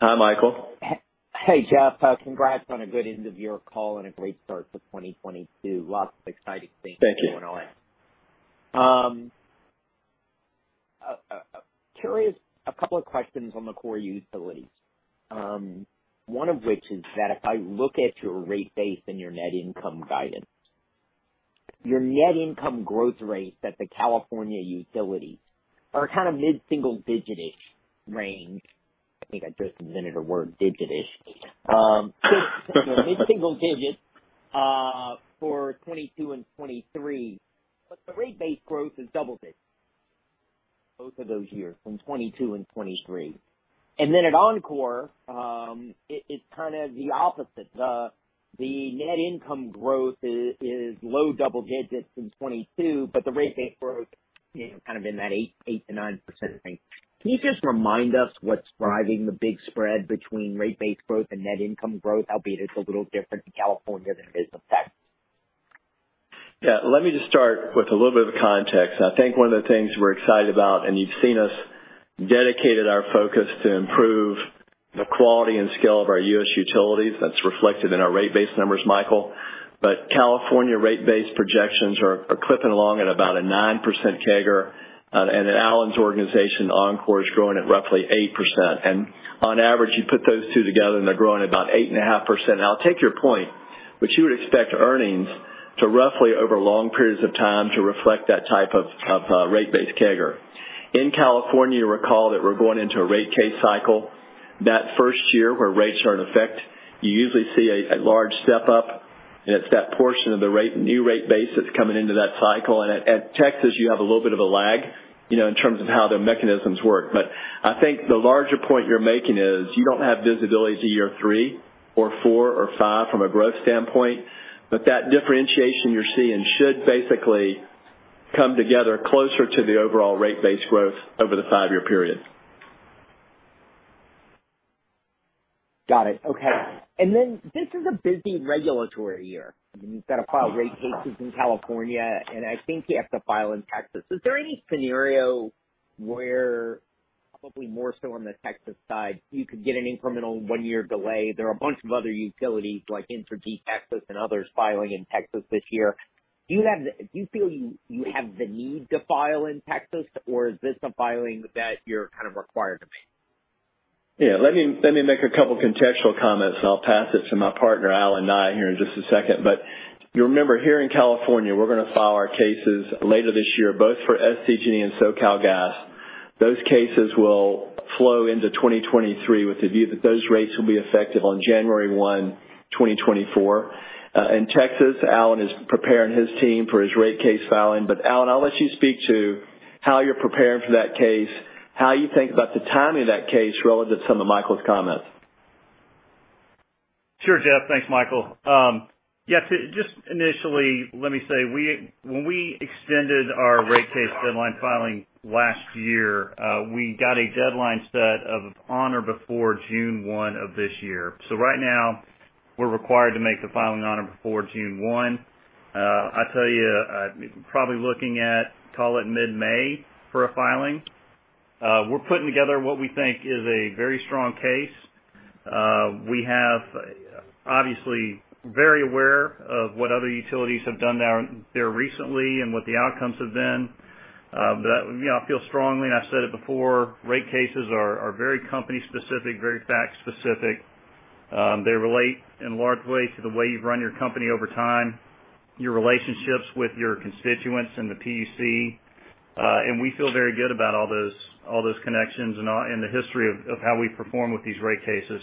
Hi, Michael. Hey, Jeff. Congrats on a good end of year call and a great start to 2022. Lots of exciting things. Thank you. Curious, a couple of questions on the core utilities. One of which is that if I look at your rate base and your net income guidance, your net income growth rates at the California utilities are kind of mid-single digit-ish range. I think I just invented a word, digit-ish. Mid-single digits for 2022 and 2023, but the rate base growth is double digits both of those years, in 2022 and 2023. At Oncor, it is kind of the opposite. The net income growth is low double digits in 2022, but the rate base growth, you know, kind of in that 8%-9% range. Can you just remind us what's driving the big spread between rate base growth and net income growth, albeit it's a little different in California than it is in Texas? Yeah. Let me just start with a little bit of context. I think one of the things we're excited about, and you've seen us dedicated our focus to improve the quality and scale of our U.S. utilities. That's reflected in our rate base numbers, Michael. California rate base projections are clipping along at about 9% CAGR. In Allen's organization, Oncor is growing at roughly 8%. On average, you put those two together, and they're growing at about 8.5%. Now, I'll take your point, which you would expect earnings to roughly over long periods of time to reflect that type of rate base CAGR. In California, you'll recall that we're going into a rate case cycle. That first year where rates are in effect, you usually see a large step-up, and it's that portion of the rate, new rate base that's coming into that cycle. At Texas, you have a little bit of a lag, you know, in terms of how the mechanisms work. I think the larger point you're making is you don't have visibility to year three or four or five from a growth standpoint. That differentiation you're seeing should basically come together closer to the overall rate base growth over the five-year period. Got it. Okay. Then this is a busy regulatory year. I mean, you've got to file rate cases in California, and I think you have to file in Texas. Is there any scenario where, probably more so on the Texas side, you could get an incremental one-year delay? There are a bunch of other utilities like Entergy Texas and others filing in Texas this year. Do you feel you have the need to file in Texas, or is this a filing that you're kind of required to make? Yeah, let me make a couple contextual comments, and I'll pass it to my partner, Allen Nye, here in just a second. You'll remember, here in California, we're gonna file our cases later this year, both for SDG&E and SoCalGas. Those cases will flow into 2023 with the view that those rates will be effective on January 1, 2024. In Texas, Allen is preparing his team for his rate case filing. Allen, I'll let you speak to how you're preparing for that case, how you think about the timing of that case relative to some of Michael's comments. Sure, Jeff. Thanks, Michael. Yeah, just initially, let me say, when we extended our rate case deadline filing last year, we got a deadline set of on or before June 1 of this year. Right now, we're required to make the filing on or before June 1. I tell you, probably looking at, call it, mid-May for a filing. We're putting together what we think is a very strong case. We have obviously very aware of what other utilities have done down there recently and what the outcomes have been. You know, I feel strongly, and I've said it before, rate cases are very company specific, very fact specific. They relate in large way to the way you've run your company over time, your relationships with your constituents and the PUC. We feel very good about all those connections and the history of how we perform with these rate cases.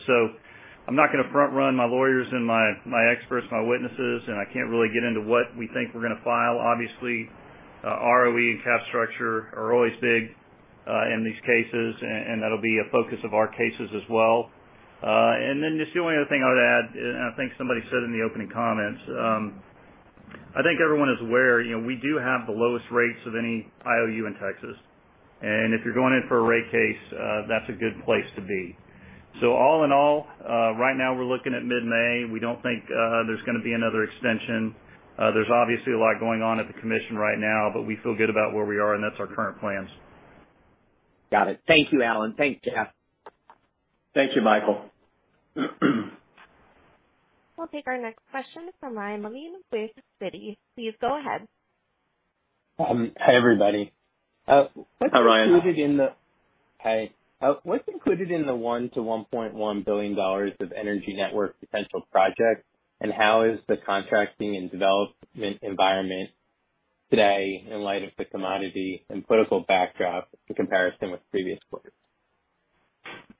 I'm not gonna front run my lawyers and my experts and my witnesses, and I can't really get into what we think we're gonna file. Obviously, ROE and cap structure are always big in these cases, and that'll be a focus of our cases as well. Then just the only other thing I would add, and I think somebody said in the opening comments, I think everyone is aware, you know, we do have the lowest rates of any IOU in Texas. If you're going in for a rate case, that's a good place to be. All in all, right now we're looking at mid-May. We don't think there's gonna be another extension. There's obviously a lot going on at the commission right now, but we feel good about where we are, and that's our current plans. Got it. Thank you, Alan. Thanks, Jeff. Thank you, Michael. We'll take our next question from Ryan Levine with Jefferies. Please go ahead. Hi, everybody. Hi, Ryan. What's included in the $1 billion-$1.1 billion of energy network potential projects, and how is the contracting and development environment today in light of the commodity and political backdrop in comparison with previous quarters?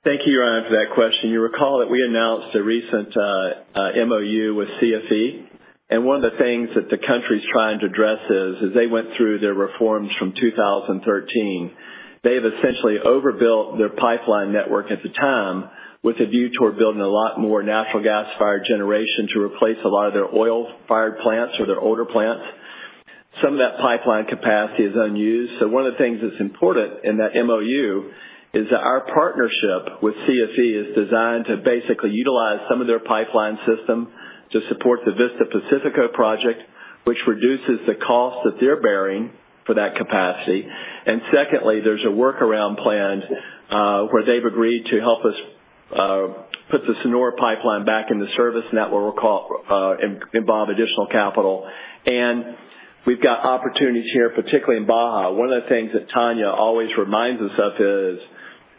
Thank you, Ryan, for that question. You recall that we announced a recent MoU with CFE, and one of the things that the country's trying to address is, as they went through their reforms from 2013, they have essentially overbuilt their pipeline network at the time with a view toward building a lot more natural gas-fired generation to replace a lot of their oil-fired plants or their older plants. Some of that pipeline capacity is unused. One of the things that's important in that MoU is that our partnership with CFE is designed to basically utilize some of their pipeline system to support the Vista Pacifico project, which reduces the cost that they're bearing for that capacity. Secondly, there's a workaround plan where they've agreed to help us put the Sonora pipeline back in service, and that will involve additional capital. We've got opportunities here, particularly in Baja. One of the things that Tania always reminds us of is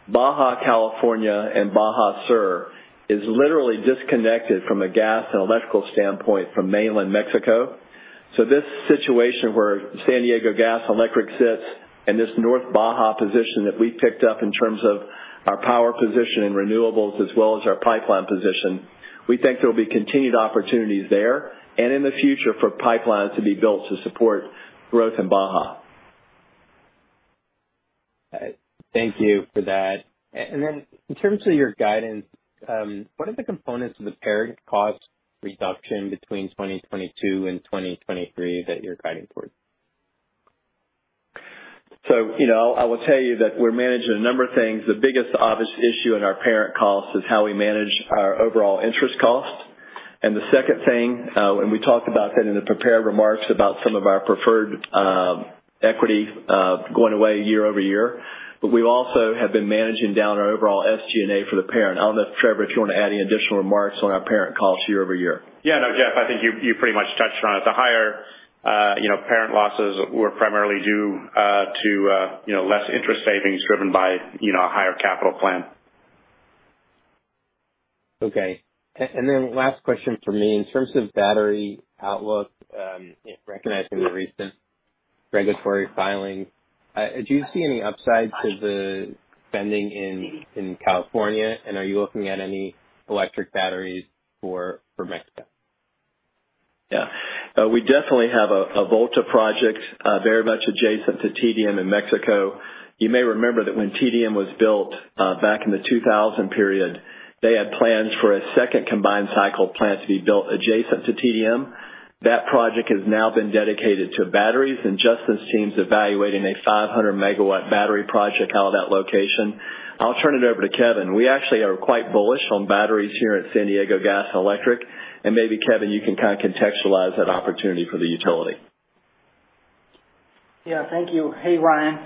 Baja California and Baja California Sur is literally disconnected from a gas and electrical standpoint from mainland Mexico. This situation where San Diego Gas & Electric sits and this North Baja position that we've picked up in terms of our power position in renewables as well as our pipeline position, we think there will be continued opportunities there and in the future for pipelines to be built to support growth in Baja. Thank you for that. Then in terms of your guidance, what are the components of the parent cost reduction between 2022 and 2023 that you're guiding towards? You know, I will tell you that we're managing a number of things. The biggest obvious issue in our parent costs is how we manage our overall interest cost. The second thing, and we talked about that in the prepared remarks about some of our preferred equity going away year-over-year. We also have been managing down our overall SG&A for the parent. I don't know, Trevor, if you want to add any additional remarks on our parent costs year-over-year. Yeah. No, Jeff, I think you pretty much touched on it. The higher, you know, parent losses were primarily due to, you know, less interest savings driven by, you know, a higher capital plan. Okay. Last question from me. In terms of battery outlook, you know, recognizing the recent regulatory filings, do you see any upside to the spending in California? Are you looking at any electric batteries for Mexico? Yeah. We definitely have a Volta project very much adjacent to TDM in Mexico. You may remember that when TDM was built back in the 2000 period, they had plans for a second combined cycle plant to be built adjacent to TDM. That project has now been dedicated to batteries, and Justin's team is evaluating a 500 MW battery project out of that location. I'll turn it over to Kevin. We actually are quite bullish on batteries here at San Diego Gas & Electric, and maybe, Kevin, you can kind of contextualize that opportunity for the utility. Yeah. Thank you. Hey, Ryan.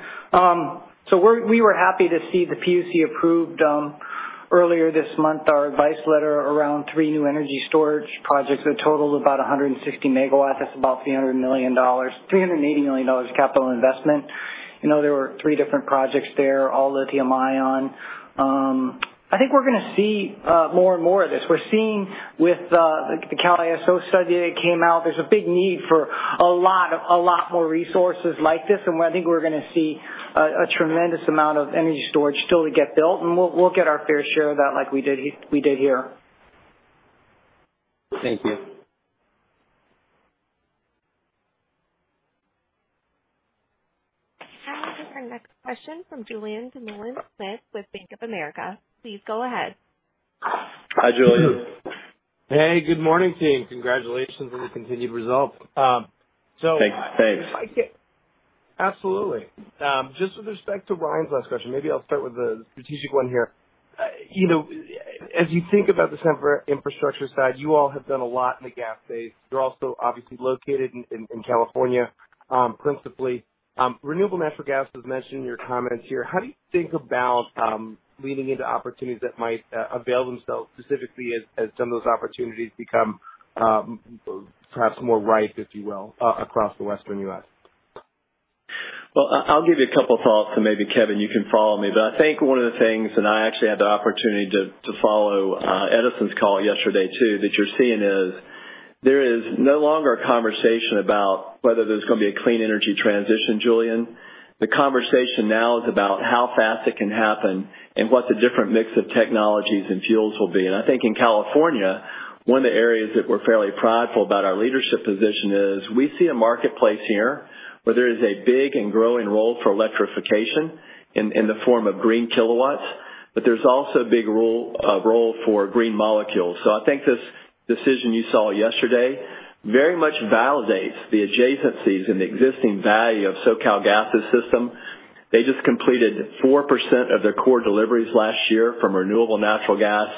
We were happy to see the PUC approved earlier this month our advice letter around three new energy storage projects that total about 160 MW. That's about $300 million-$380 million capital investment. You know, there were three different projects there, all lithium ion. I think we're gonna see more and more of this. We're seeing with the CAISO study that came out, there's a big need for a lot more resources like this. I think we're gonna see a tremendous amount of energy storage still to get built, and we'll get our fair share of that like we did here. Thank you. I will take our next question from Julien Dumoulin-Smith with Bank of America. Please go ahead. Hi, Julien. Hey, good morning, team. Congratulations on the continued results. Thanks. Absolutely. Just with respect to Ryan's last question, maybe I'll start with the strategic one here. You know, as you think about the infrastructure side, you all have done a lot in the gas space. You're also obviously located in California, principally. Renewable natural gas was mentioned in your comments here. How do you think about leaning into opportunities that might avail themselves specifically as some of those opportunities become perhaps more ripe, if you will, across the Western U.S.? Well, I'll give you a couple thoughts and maybe Kevin, you can follow me. I think one of the things, and I actually had the opportunity to follow Edison's call yesterday too, that you're seeing is there is no longer a conversation about whether there's gonna be a clean energy transition, Julien. The conversation now is about how fast it can happen and what the different mix of technologies and fuels will be. I think in California, one of the areas that we're fairly prideful about our leadership position is we see a marketplace here where there is a big and growing role for electrification in the form of green kilowatts, but there's also a big role for green molecules. I think this decision you saw yesterday very much validates the adjacencies and the existing value of SoCalGas's system. They just completed 4% of their core deliveries last year from renewable natural gas,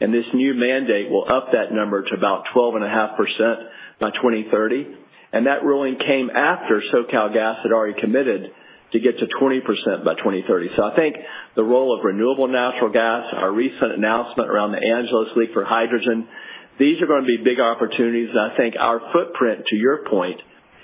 and this new mandate will up that number to about 12.5% by 2030. That ruling came after SoCalGas had already committed to get to 20% by 2030. I think the role of renewable natural gas, our recent announcement around the Angeles Link for hydrogen, these are gonna be big opportunities. I think our footprint, to your point.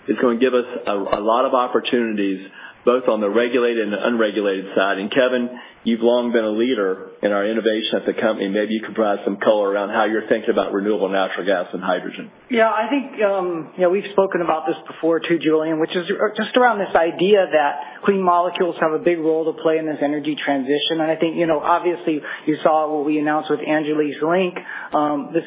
It's gonna give us a lot of opportunities both on the regulated and the unregulated side. Kevin, you've long been a leader in our innovation at the company. Maybe you could provide some color around how you're thinking about renewable natural gas and hydrogen. Yeah, I think, you know, we've spoken about this before too, Julien, which is just around this idea that clean molecules have a big role to play in this energy transition. I think, you know, obviously you saw what we announced with Angeles Link.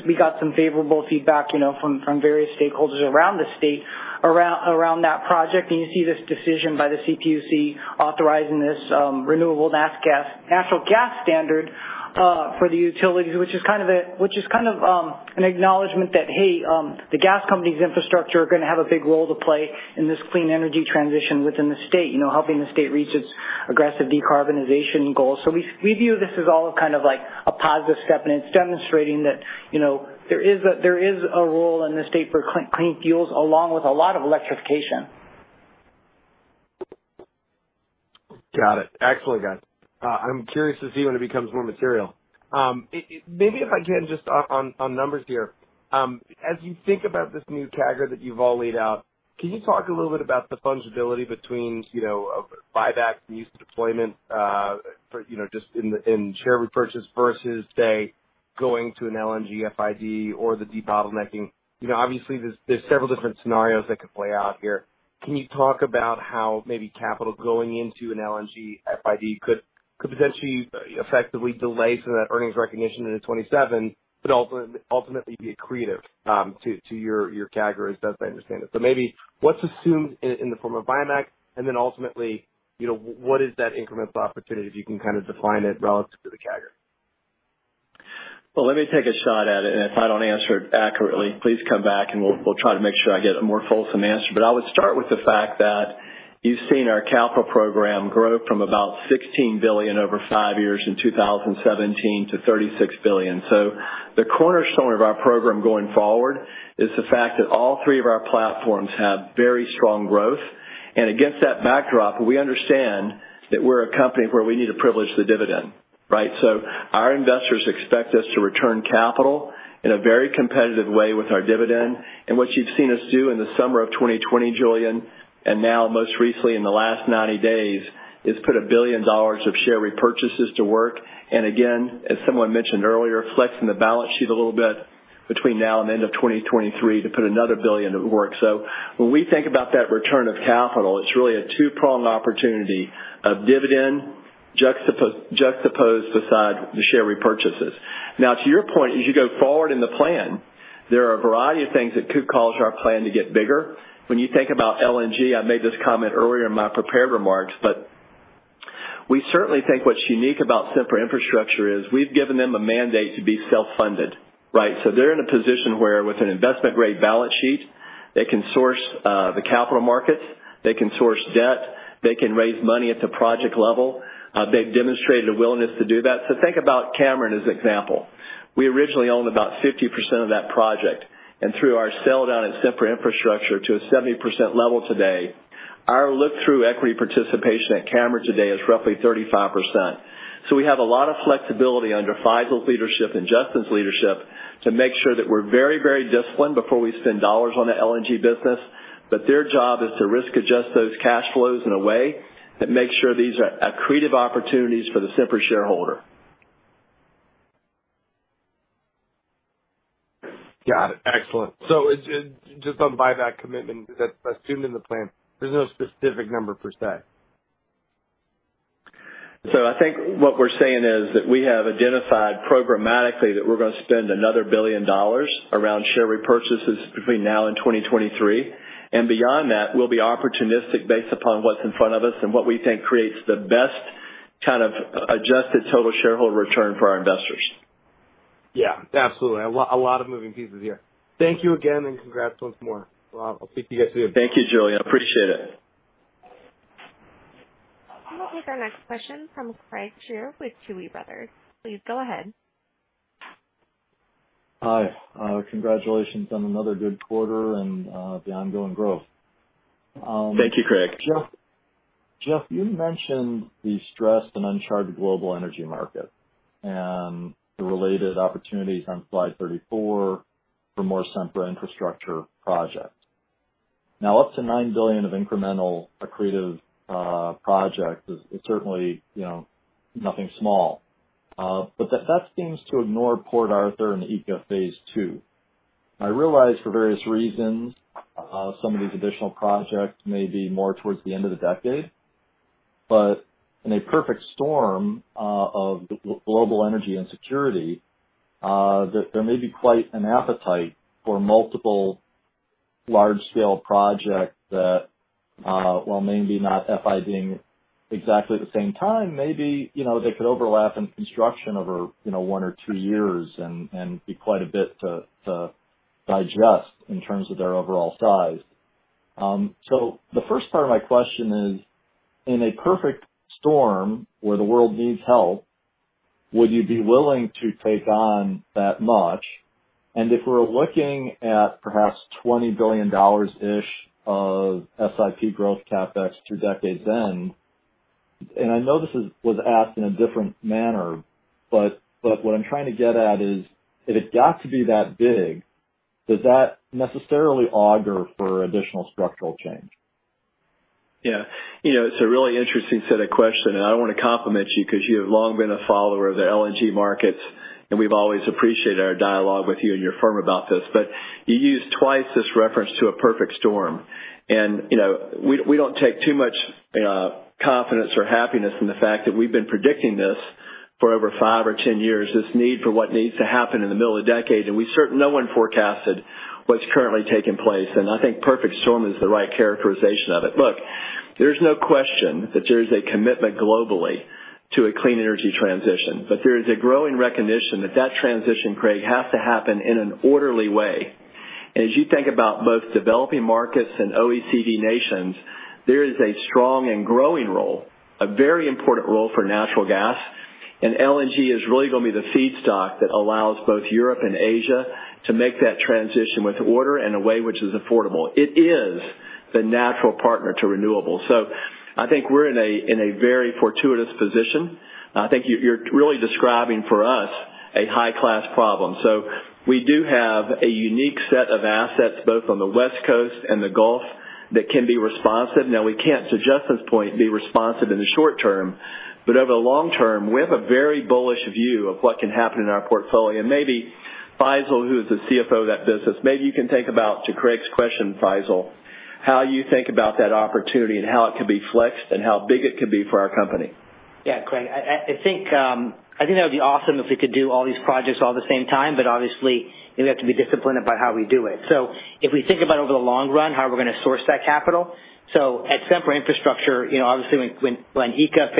We got some favorable feedback, you know, from various stakeholders around the state around that project. You see this decision by the CPUC authorizing this renewable natural gas standard for the utilities, which is kind of an acknowledgement that, hey, the gas company's infrastructure are gonna have a big role to play in this clean energy transition within the state, you know, helping the state reach its aggressive de-carbonization goals. We view this as all kind of like a positive step, and it's demonstrating that, you know, there is a role in the state for clean fuels, along with a lot of electrification. Got it. Excellent, guys. I'm curious to see when it becomes more material. Maybe if I can just on numbers here, as you think about this new CAGR that you've all laid out, can you talk a little bit about the fungibility between, you know, buybacks and use of deployment, for, you know, just in share repurchase versus, say, going to an LNG FID or the de-bottlenecking? You know, obviously there's several different scenarios that could play out here. Can you talk about how maybe capital going into an LNG FID could potentially effectively delay some of that earnings recognition into 2027, but ultimately be accretive to your CAGRs as best I understand it? Maybe what's assumed in the form of buyback, and then ultimately, you know, what is that incremental opportunity if you can kind of define it relative to the CAGR? Well, let me take a shot at it, and if I don't answer it accurately, please come back and we'll try to make sure I get a more fulsome answer. I would start with the fact that you've seen our capital program grow from about $16 billion over 5 years in 2017 to $36 billion. The cornerstone of our program going forward is the fact that all three of our platforms have very strong growth. Against that backdrop, we understand that we're a company where we need to privilege the dividend, right? Our investors expect us to return capital in a very competitive way with our dividend. What you've seen us do in the summer of 2020, Julien, and now most recently in the last 90 days, is put $1 billion of share repurchases to work. Again, as someone mentioned earlier, flexing the balance sheet a little bit between now and the end of 2023 to put another $1 billion to work. When we think about that return of capital, it's really a two-pronged opportunity of dividend juxtaposed beside the share repurchases. Now, to your point, as you go forward in the plan, there are a variety of things that could cause our plan to get bigger. When you think about LNG, I made this comment earlier in my prepared remarks, but we certainly think what's unique about Sempra Infrastructure is we've given them a mandate to be self-funded, right? They're in a position where with an investment-grade balance sheet, they can source the capital markets, they can source debt, they can raise money at the project level. They've demonstrated a willingness to do that. Think about Cameron as an example. We originally owned about 50% of that project. Through our sell down at Sempra Infrastructure to a 70% level today, our look-through equity participation at Cameron today is roughly 35%. We have a lot of flexibility under Faisal's leadership and Justin's leadership to make sure that we're very, very disciplined before we spend dollars on the LNG business. Their job is to risk adjust those cash flows in a way that makes sure these are accretive opportunities for the Sempra shareholder. Got it. Excellent. Just on buyback commitment that's assumed in the plan, there's no specific number per se. I think what we're saying is that we have identified programmatically that we're gonna spend another $1 billion around share repurchases between now and 2023. Beyond that, we'll be opportunistic based upon what's in front of us and what we think creates the best kind of adjusted total shareholder return for our investors. Yeah, absolutely. A lot of moving pieces here. Thank you again, and congrats once more. I'll speak to you guys soon. Thank you, Julien. Appreciate it. We'll take our next question from Craig Shere with Tuohy Brothers. Please go ahead. Hi. Congratulations on another good quarter and, the ongoing growth. Thank you, Craig. Jeff, you mentioned the stressed and undercharged global energy market and the related opportunities on slide 34 for more Sempra Infrastructure projects. Now, up to $9 billion of incremental accretive projects is certainly, you know, nothing small. That seems to ignore Port Arthur and the ECA Phase 2. I realize for various reasons, some of these additional projects may be more towards the end of the decade, but in a perfect storm of global energy and security, there may be quite an appetite for multiple large-scale projects that, while maybe not FID-ing exactly the same time, maybe, you know, they could overlp ina construction over, you know, 1 or 2 years and be quite a bit to digest in terms of their overall size. The first part of my question is, in a perfect storm where the world needs help, would you be willing to take on that much? If we're looking at perhaps $20 billion-ish of SIP growth CapEx through decade's end I know this was asked in a different manner, but what I'm trying to get at is if it got to be that big, does that necessarily augur for additional structural change? Yeah. You know, it's a really interesting set of questions, and I wanna compliment you because you have long been a follower of the LNG markets, and we've always appreciated our dialogue with you and your firm about this. You used twice this reference to a perfect storm. You know, we don't take too much confidence or happiness in the fact that we've been predicting this for over 5 or 10 years, this need for what needs to happen in the middle of the decade. No one forecasted what's currently taking place, and I think perfect storm is the right characterization of it. Look, there's no question that there's a commitment globally to a clean energy transition, but there is a growing recognition that that transition, Craig, has to happen in an orderly way. As you think about both developing markets and OECD nations, there is a strong and growing role, a very important role for natural gas. LNG is really gonna be the feedstock that allows both Europe and Asia to make that transition with order in a way which is affordable. It is the natural partner to renewables. I think we're in a very fortuitous position. I think you're really describing for us a high-class problem. We do have a unique set of assets both on the West Coast and the Gulf that can be responsive. Now, we can't, to Justin's point, be responsive in the short term, but over the long term, we have a very bullish view of what can happen in our portfolio. Maybe Faisal, who is the CFO of that business, maybe you can think about, to Craig's question, Faisal, how you think about that opportunity and how it can be flexed and how big it can be for our company. Yeah, Craig, I think that would be awesome if we could do all these projects all at the same time, but obviously, you know, we have to be disciplined about how we do it. If we think about over the long run how we're gonna source that capital, at Sempra Infrastructure, you know, obviously when ECA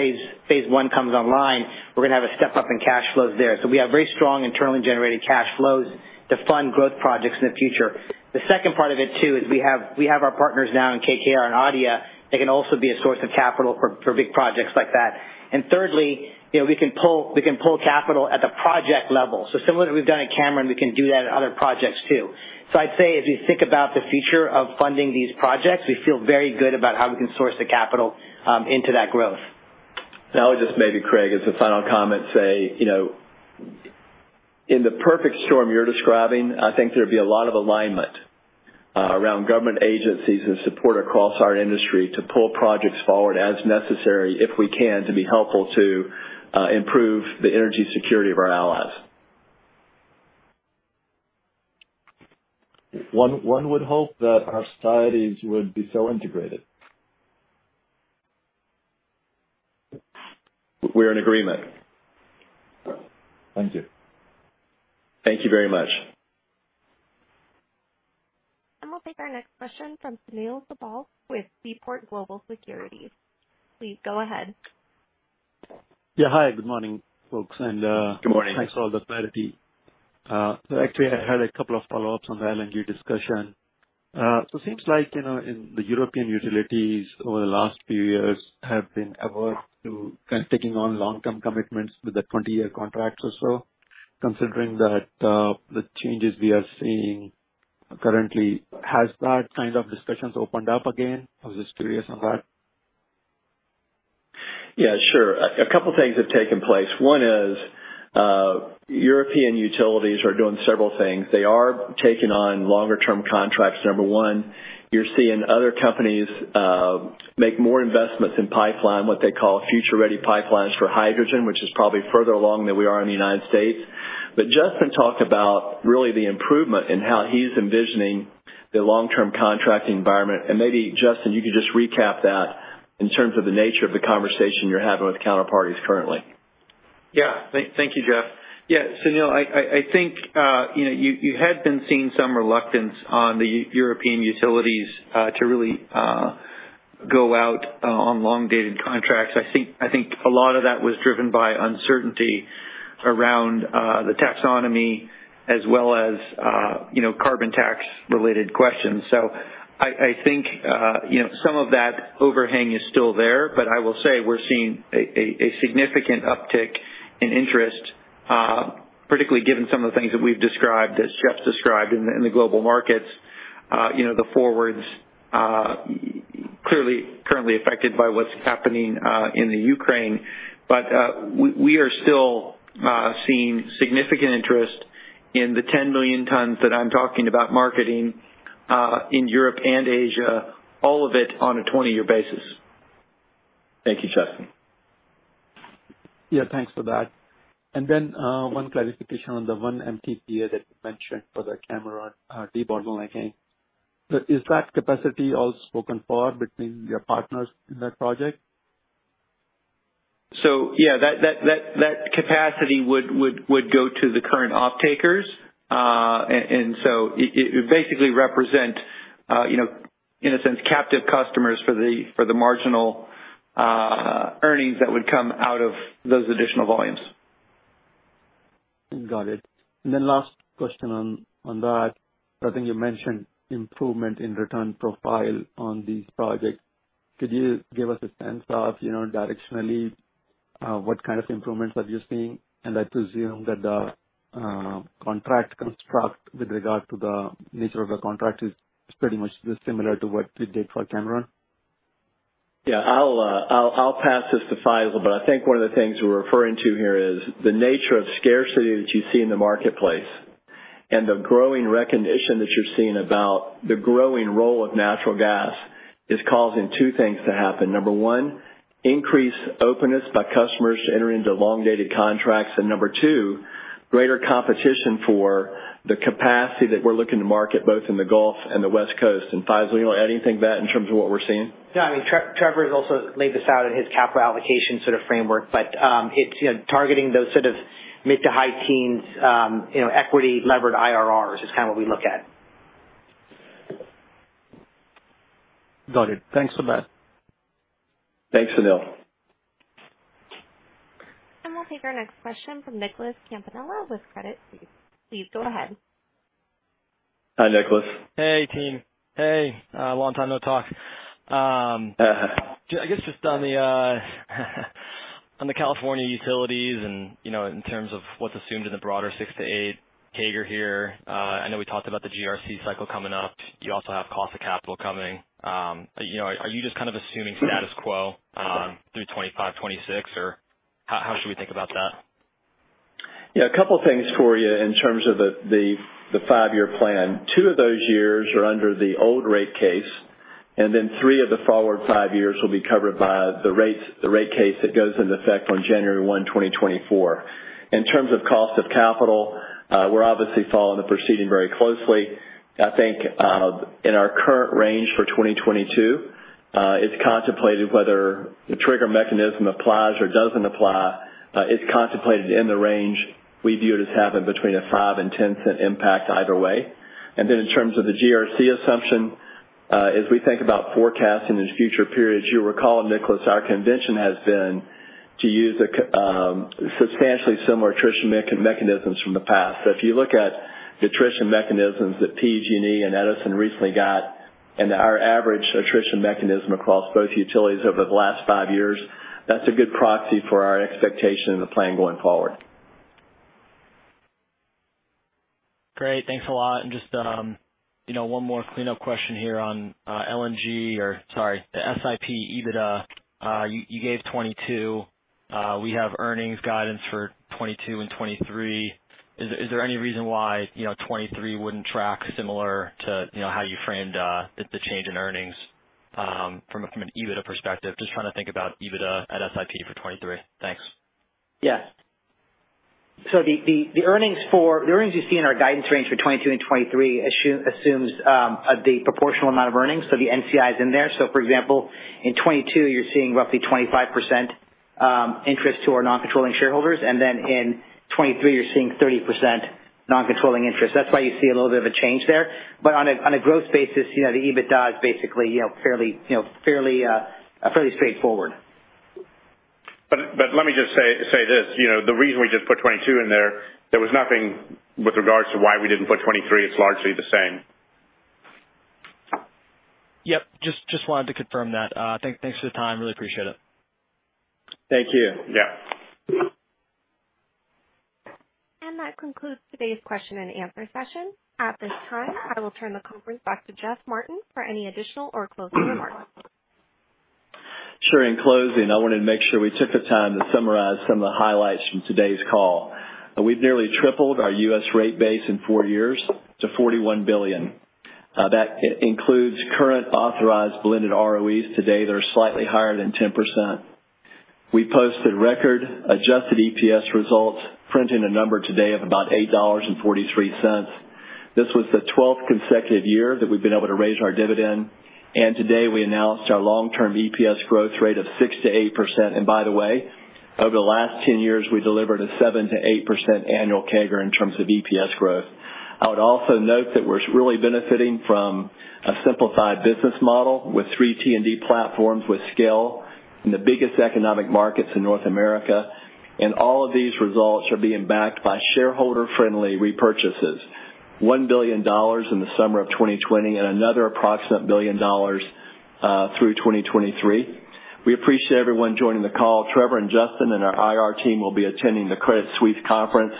Phase 1 comes online, we're gonna have a step-up in cash flows there. We have very strong internally-generated cash flows to fund growth projects in the future. The second part of it too is we have our partners now in KKR and ADIA that can also be a source of capital for big projects like that. Thirdly, you know, we can pull capital at the project level. Similar to what we've done at Cameron, we can do that at other projects too. I'd say if you think about the future of funding these projects, we feel very good about how we can source the capital into that growth. I would just maybe, Craig, as a final comment say, you know, in the perfect storm you're describing, I think there'd be a lot of alignment around government agencies who support across our industry to pull projects forward as necessary, if we can, to be helpful to improve the energy security of our allies. One would hope that our societies would be so integrated. We're in agreement. Thank you. Thank you very much. We'll take our next question from Sunil Sibal with Seaport Global Securities. Please go ahead. Yeah. Hi, good morning, folks. Good morning. Thanks for all the clarity. Actually, I had a couple of follow-ups on the LNG discussion. Seems like, you know, in the European utilities over the last few years have been averse to kind of taking on long-term commitments with the 20-year contracts or so. Considering that, the changes we are seeing currently, has that kind of discussions opened up again? I was just curious on that. Yeah, sure. A couple things have taken place. One is, European utilities are doing several things. They are taking on longer-term contracts, number one. You're seeing other companies make more investments in pipeline, what they call future-ready pipelines for hydrogen, which is probably further along than we are in the United States. Justin talked about really the improvement in how he's envisioning the long-term contract environment. Maybe, Justin, you could just recap that in terms of the nature of the conversation you're having with counter-parties currently. Yeah. Thank you, Jeff. Yeah, Sunil, I think you know you had been seeing some reluctance on the European utilities to really go out on long-dated contracts. I think a lot of that was driven by uncertainty around the taxonomy as well as you know, carbon tax-related questions. I think some of that overhang is still there, but I will say we're seeing a significant uptick in interest, particularly given some of the things that we've described, as Jeff's described in the global markets, you know, the forwards clearly currently affected by what's happening in Ukraine. We are still seeing significant interest in the 10 million tons that I'm talking about marketing in Europe and Asia, all of it on a 20-year basis. Thank you, Justin. Yeah, thanks for that. One clarification on the 1 MTPA that you mentioned for the Cameron de-bottlenecking. Is that capacity all spoken for between your partners in that project? Yeah, that capacity would go to the current off-takers. It would basically represent, you know, in a sense, captive customers for the marginal earnings that would come out of those additional volumes. Got it. Last question on that. I think you mentioned improvement in return profile on these projects. Could you give us a sense of, you know, directionally, what kind of improvements are you seeing? I presume that the contract construct with regard to the nature of the contract is pretty much similar to what you did for Cameron. Yeah, I'll pass this to Faisal, but I think one of the things we're referring to here is the nature of scarcity that you see in the marketplace and the growing recognition that you're seeing about the growing role of natural gas is causing two things to happen. Number one, increased openness by customers to enter into long-dated contracts. Number two, greater competition for the capacity that we're looking to market, both in the Gulf and the West Coast. Faisal, you wanna add anything to that in terms of what we're seeing? Yeah, I mean, Trevor has also laid this out in his capital allocation sort of framework, but, it's, you know, targeting those sort of mid to high teens, you know, equity levered IRRs is kind of what we look at. Got it. Thanks for that. Thanks, Sunil. We'll take our next question from Nicholas Campanella with Credit Suisse. Please go ahead. Hi, Nicholas. Hey, team. Hey, long time no talk. I guess just on the California utilities and, you know, in terms of what's assumed in the broader 6-8 CAGR here, I know we talked about the GRC cycle coming up. You also have cost of capital coming. You know, are you just kind of assuming status quo through 25, 26? Or how should we think about that? Yeah, a couple things for you in terms of the 5-year plan. Two of those years are under the old rate case, and then three of the forward five years will be covered by the rate case that goes into effect on January 1, 2024. In terms of cost of capital, we're obviously following the proceeding very closely. I think in our current range for 2022, it's contemplated whether the trigger mechanism applies or doesn't apply. It's contemplated in the range we view it as having between a $0.05-$0.10 impact either way. In terms of the GRC assumption, as we think about forecasting in future periods, you'll recall, Nicholas, our convention has been to use substantially similar attrition mechanisms from the past. If you look at the attrition mechanisms that PG&E and Edison recently got and our average attrition mechanism across both utilities over the last five years, that's a good proxy for our expectation in the plan going forward. Great. Thanks a lot. Just, you know, one more cleanup question here on LNG or sorry, the SIP EBITDA. You gave 2022. We have earnings guidance for 2022 and 2023. Is there any reason why, you know, 2023 wouldn't track similar to, you know, how you framed the change in earnings from an EBITDA perspective? Just trying to think about EBITDA at SIP for 2023. Thanks. Yeah. The earnings you see in our guidance range for 2022 and 2023 assumes the proportional amount of earnings, so the NCI is in there. For example, in 2022 you're seeing roughly 25% interest to our non-controlling shareholders, and then in 2023 you're seeing 30% non-controlling interest. That's why you see a little bit of a change there. On a growth basis, you know, the EBITDA is basically, you know, fairly straightforward. Let me just say this. You know, the reason we just put 22 in there was nothing with regards to why we didn't put 23. It's largely the same. Yep. Just wanted to confirm that. Thanks for the time. Really appreciate it. Thank you. Yeah. That concludes today's question and answer session. At this time, I will turn the conference back to Jeff Martin for any additional or closing remarks. Sure. In closing, I wanted to make sure we took the time to summarize some of the highlights from today's call. We've nearly tripled our U.S. rate base in four years to $41 billion. That includes current authorized blended ROEs. Today, they're slightly higher than 10%. We posted record adjusted EPS results, printing a number today of about $8.43. This was the twelfth consecutive year that we've been able to raise our dividend, and today we announced our long-term EPS growth rate of 6%-8%. By the way, over the last 10 years, we delivered a 7%-8% annual CAGR in terms of EPS growth. I would also note that we're really benefiting from a simplified business model with three T&D platforms with scale in the biggest economic markets in North America. All of these results are being backed by shareholder-friendly repurchases, $1 billion in the summer of 2020 and another approximate $1 billion through 2023. We appreciate everyone joining the call. Trevor and Justin and our IR team will be attending the Credit Suisse Conference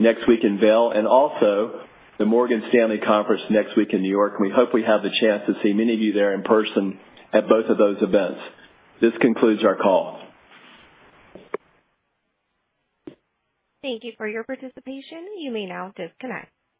next week in Vail, and also the Morgan Stanley Conference next week in New York. We hope we have the chance to see many of you there in person at both of those events. This concludes our call. Thank you for your participation. You may now disconnect.